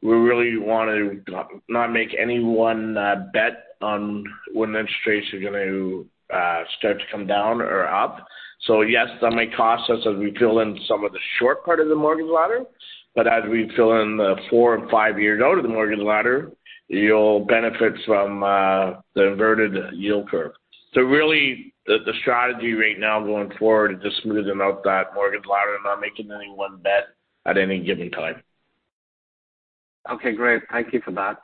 S3: We really wanna not make any one bet on when interest rates are gonna start to come down or up. Yes, that may cost us as we fill in some of the short part of the mortgage ladder, but as we fill in the 4 and 5 years out of the mortgage ladder, you'll benefit from the inverted yield curve. Really the strategy right now going forward is just smoothing out that mortgage ladder and not making any one bet at any given time.
S13: Okay, great. Thank you for that.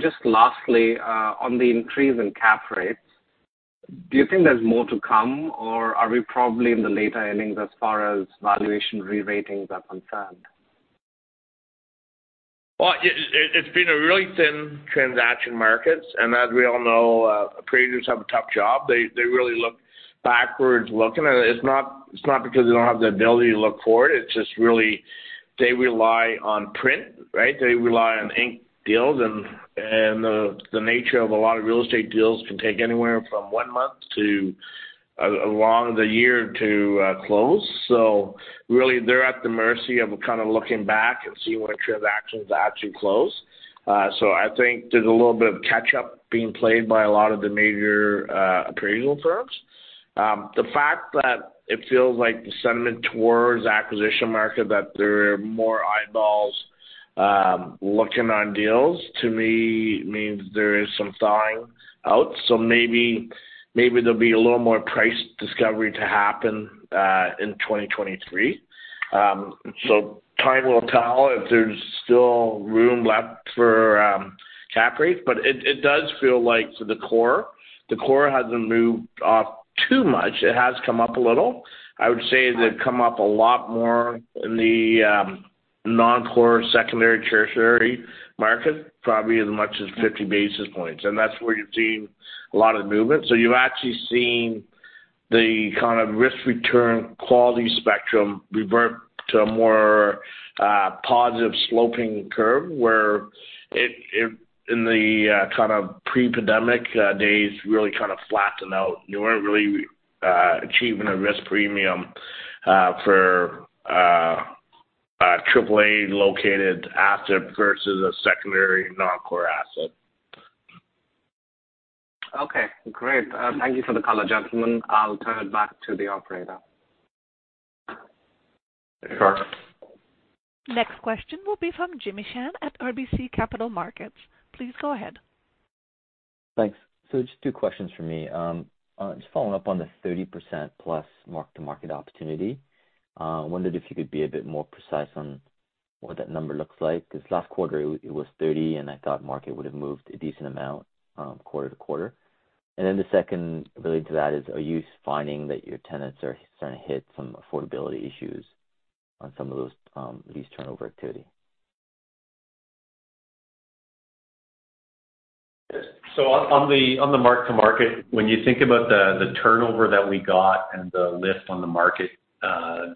S13: Just lastly, on the increase in cap rates, do you think there's more to come, or are we probably in the later innings as far as valuation re-ratings are concerned?
S3: Well, it's been a really thin transaction markets, and as we all know, appraisers have a tough job. They really look backward-looking. It's not because they don't have the ability to look forward, it's just really they rely on print, right. They rely on ink deals, and the nature of a lot of real estate deals can take anywhere from one month to as long as a year to close. Really they're at the mercy of kind of looking back and seeing what transactions actually close. I think there's a little bit of catch up being played by a lot of the major appraisal firms. The fact that it feels like the sentiment towards acquisition market, that there are more eyeballs, looking on deals to me means there is some thawing out. Maybe, maybe there'll be a little more price discovery to happen in 2023. Time will tell if there's still room left for cap rate, but it does feel like for the core. The core hasn't moved too much. It has come up a little. I would say they've come up a lot more in the non-core secondary, tertiary market, probably as much as 50 basis points, and that's where you've seen a lot of movement. You've actually seen the kind of risk return quality spectrum revert to a more positive sloping curve, where it in the kind of pre-pandemic days really kind of flattened out. You weren't really achieving a risk premium for a triple A located asset versus a secondary non-core asset.
S13: Okay, great. Thank you for the color, gentlemen. I'll turn it back to the operator.
S3: Sure.
S1: Next question will be from Jimmy Shan at RBC Capital Markets. Please go ahead.
S14: Thanks. Just two questions from me. Just following up on the 30% plus mark to market opportunity. Wondered if you could be a bit more precise on what that number looks like, 'cause last quarter it was 30, and I thought market would've moved a decent amount, quarter to quarter? Then the second related to that is, are you finding that your tenants are starting to hit some affordability issues on some of those, lease turnover activity?
S5: On the mark to market, when you think about the turnover that we got and the lift on the market,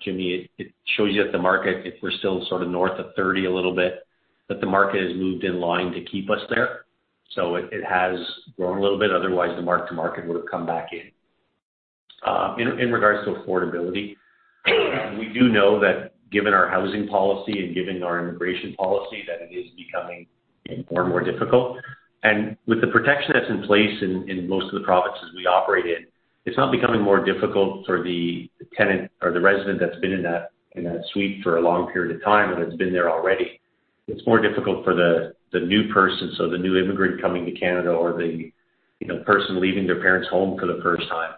S5: Jimmy, it shows you that the market, if we're still sort of north of 30 a little bit, that the market has moved in line to keep us there. It has grown a little bit, otherwise the mark to market would've come back in. In regards to affordability, we do know that given our housing policy and given our immigration policy, that it is becoming more and more difficult. With the protection that's in place in most of the provinces we operate in, it's not becoming more difficult for the tenant or the resident that's been in that suite for a long period of time and has been there already. It's more difficult for the new person. The new immigrant coming to Canada or the, you know, person leaving their parents' home for the first time.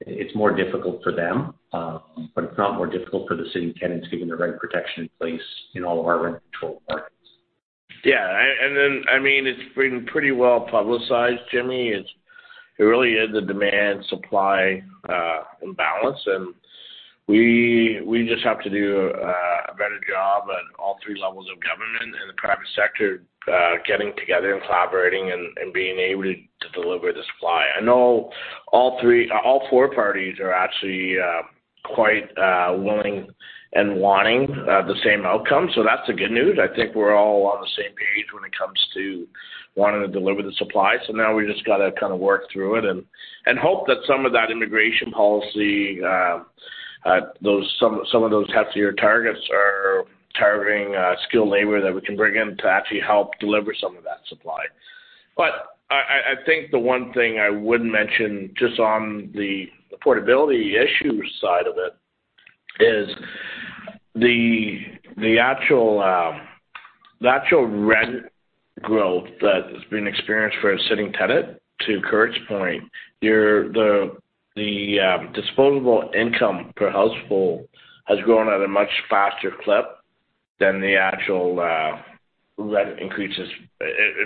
S5: It's more difficult for them, but it's not more difficult for the sitting tenants given the rent protection in place in all of our rent controlled markets.
S3: Yeah. I mean it's been pretty well publicized, Jimmy. It really is the demand supply imbalance and we just have to do a better job at all three levels of government and the private sector getting together and collaborating and being able to deliver the supply. I know all four parties are actually quite willing and wanting the same outcome, so that's the good news. I think we're all on the same page when it comes to wanting to deliver the supply. Now we just gotta kinda work through it and hope that some of that immigration policy, some of those heftier targets are targeting skilled labor that we can bring in to actually help deliver some of that supply. I think the one thing I would mention just on the affordability issue side of it is the actual rent growth that has been experienced for a sitting tenant, to Curt's point, the disposable income per household has grown at a much faster clip than the actual rent increases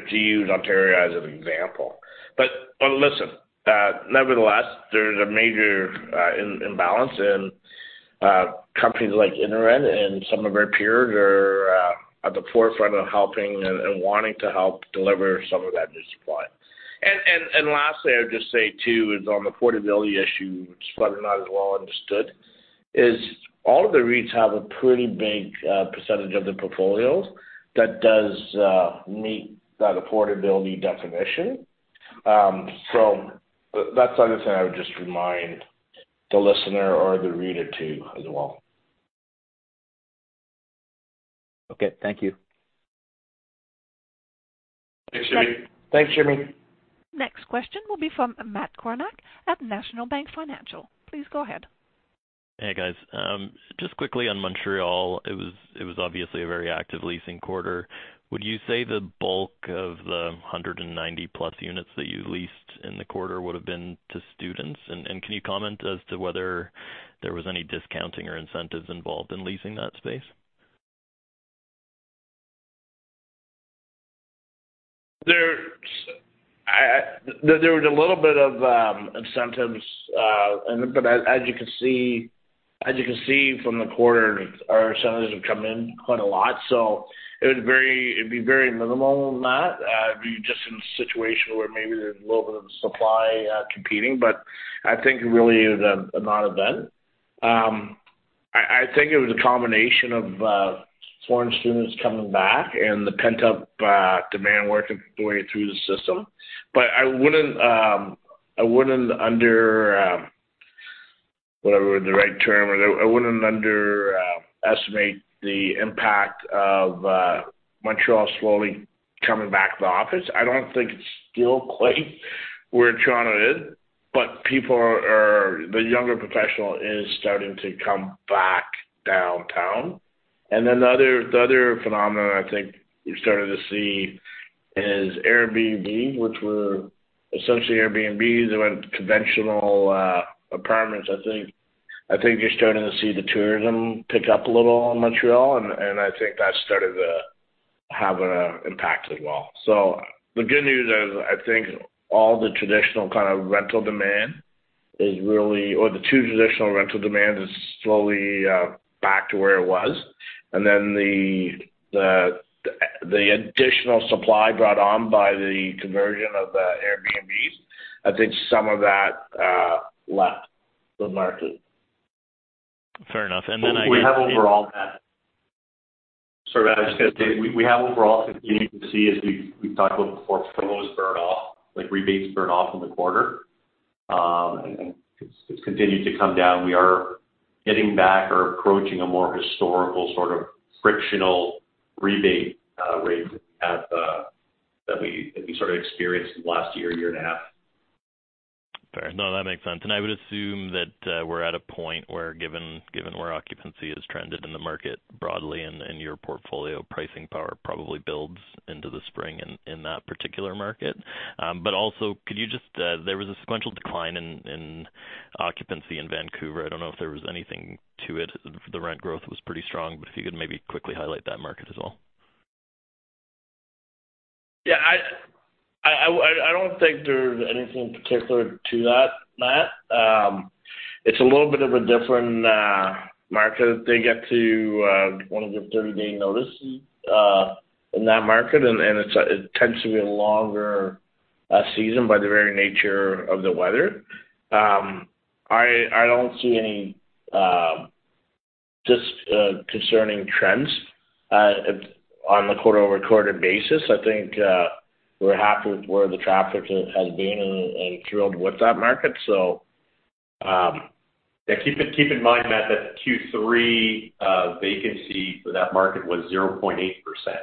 S3: to use Ontario as an example. Listen, nevertheless, there's a major imbalance and companies like InterRent and some of our peers are at the forefront of helping and wanting to help deliver some of that new supply. And lastly, I would just say too is on affordability issue, which probably not as well understood, is all of the REITs have a pretty big percentage of their portfolios that does meet that affordability definition. That's other thing I would just remind the listener or the reader too as well.
S14: Okay, thank you.
S3: Thanks, Jimmy.
S1: Next question will be from Matt Kornack at National Bank Financial. Please go ahead.
S15: Hey, guys. Just quickly on Montreal, it was obviously a very active leasing quarter. Would you say the bulk of the 190+ units that you leased in the quarter would have been to students? And can you comment as to whether there was any discounting or incentives involved in leasing that space?
S3: There was a little bit of incentives, and but as you can see from the quarter, our incentives have come in quite a lot, so it'd be very minimal, Matt. It'd be just in a situation where maybe there's a little bit of supply competing, but I think really it was a non-event. I think it was a combination of foreign students coming back and the pent-up demand working the way through the system. I wouldn't underestimate the impact of Montreal slowly coming back to the office. I don't think it's still quite where Toronto is, but the younger professional is starting to come back downtown. The other phenomenon I think you're starting to see is Airbnb, which were essentially Airbnbs. They went conventional apartments. I think you're starting to see the tourism pick up a little in Montreal, and I think that started to have an impact as well. The good news is, I think all the traditional kind of rental demand is really or the two traditional rental demand is slowly back to where it was. The additional supply brought on by the conversion of the Airbnbs, I think some of that left the market.
S15: Fair enough. I-
S5: We have overall, Matt. Sorry, Matt, I was gonna say, we have overall continued to see as we've talked about before, flows burn-off, like rebates burn off in the quarter. It's continued to come down. We are getting back or approaching a more historical sort of frictional rebate rate that we have that we sort of experienced in the last year and a half.
S15: Fair. No, that makes sense. I would assume that we're at a point where given where occupancy has trended in the market broadly and your portfolio pricing power probably builds into the spring in that particular market. Also could you just, there was a sequential decline in occupancy in Vancouver. I don't know if there was anything to it. The rent growth was pretty strong, but if you could maybe quickly highlight that market as well.
S3: Yeah, I don't think there's anything particular to that, Matt. It's a little bit of a different market. They get to want to give 30-day notice in that market, and it tends to be a longer season by the very nature of the weather. I don't see any just concerning trends on the quarter-over-quarter basis. I think we're happy with where the traffic has been and thrilled with that market.
S5: Yeah. Keep in mind, Matt, that Q3 vacancy for that market was 0.8% now.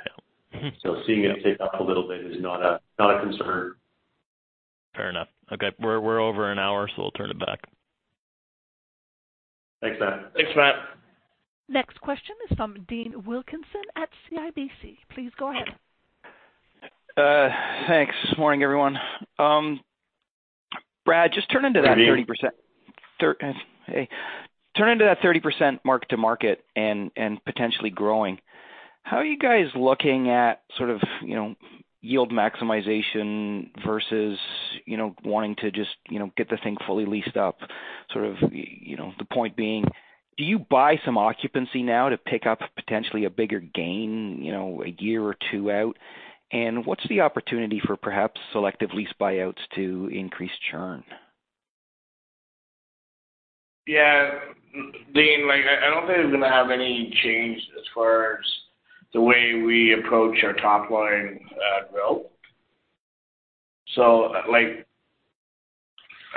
S15: Mm-hmm.
S5: Seeing it tick up a little bit is not a concern.
S15: Fair enough. Okay. We're over an hour, so we'll turn it back.
S3: Thanks, Matt.
S1: Thanks, Matt. Next question is from Dean Wilkinson at CIBC. Please go ahead.
S16: Thanks. Morning, everyone. Brad, just turning to
S3: Good morning.
S16: 30%. Hey. Turning to that 30% mark to market and potentially growing, how are you guys looking at sort of, you know, yield maximization versus, you know, wanting to just, you know, get the thing fully leased up? Sort of, you know, the point being, do you buy some occupancy now to pick up potentially a bigger gain, you know, a year or two out? What's the opportunity for perhaps selective lease buyouts to increase churn?
S3: Yeah. Dean, like, I don't think it's gonna have any change as far as the way we approach our top line growth. Like,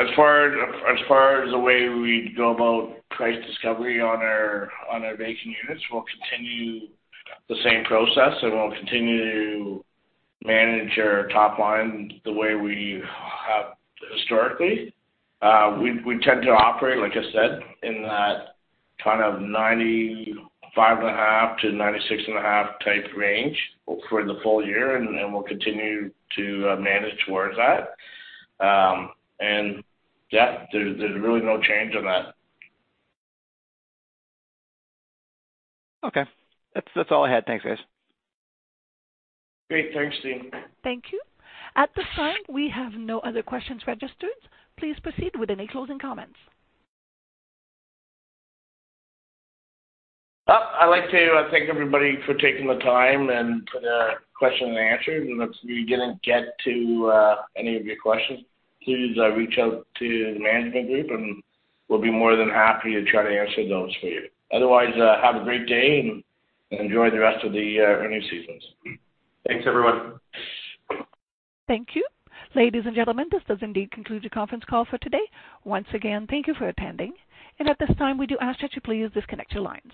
S3: as far as the way we go about price discovery on our vacant units, we'll continue the same process, and we'll continue to manage our top line the way we have historically. We tend to operate, like I said, in that kind of 95.5%-96.5% type range for the full year, and we'll continue to manage towards that. Yeah, there's really no change on that.
S16: Okay. That's all I had. Thanks, guys.
S3: Great. Thanks, Dean.
S1: Thank you. At this time, we have no other questions registered. Please proceed with any closing comments.
S3: I'd like to thank everybody for taking the time and for the question and answer. If we didn't get to any of your questions, please reach out to the management group, and we'll be more than happy to try to answer those for you. Otherwise, have a great day and enjoy the rest of the earnings season.
S1: Thanks, everyone. Thank you. Ladies and gentlemen, this does indeed conclude the conference call for today. Once again, thank you for attending. At this time, we do ask that you please disconnect your lines.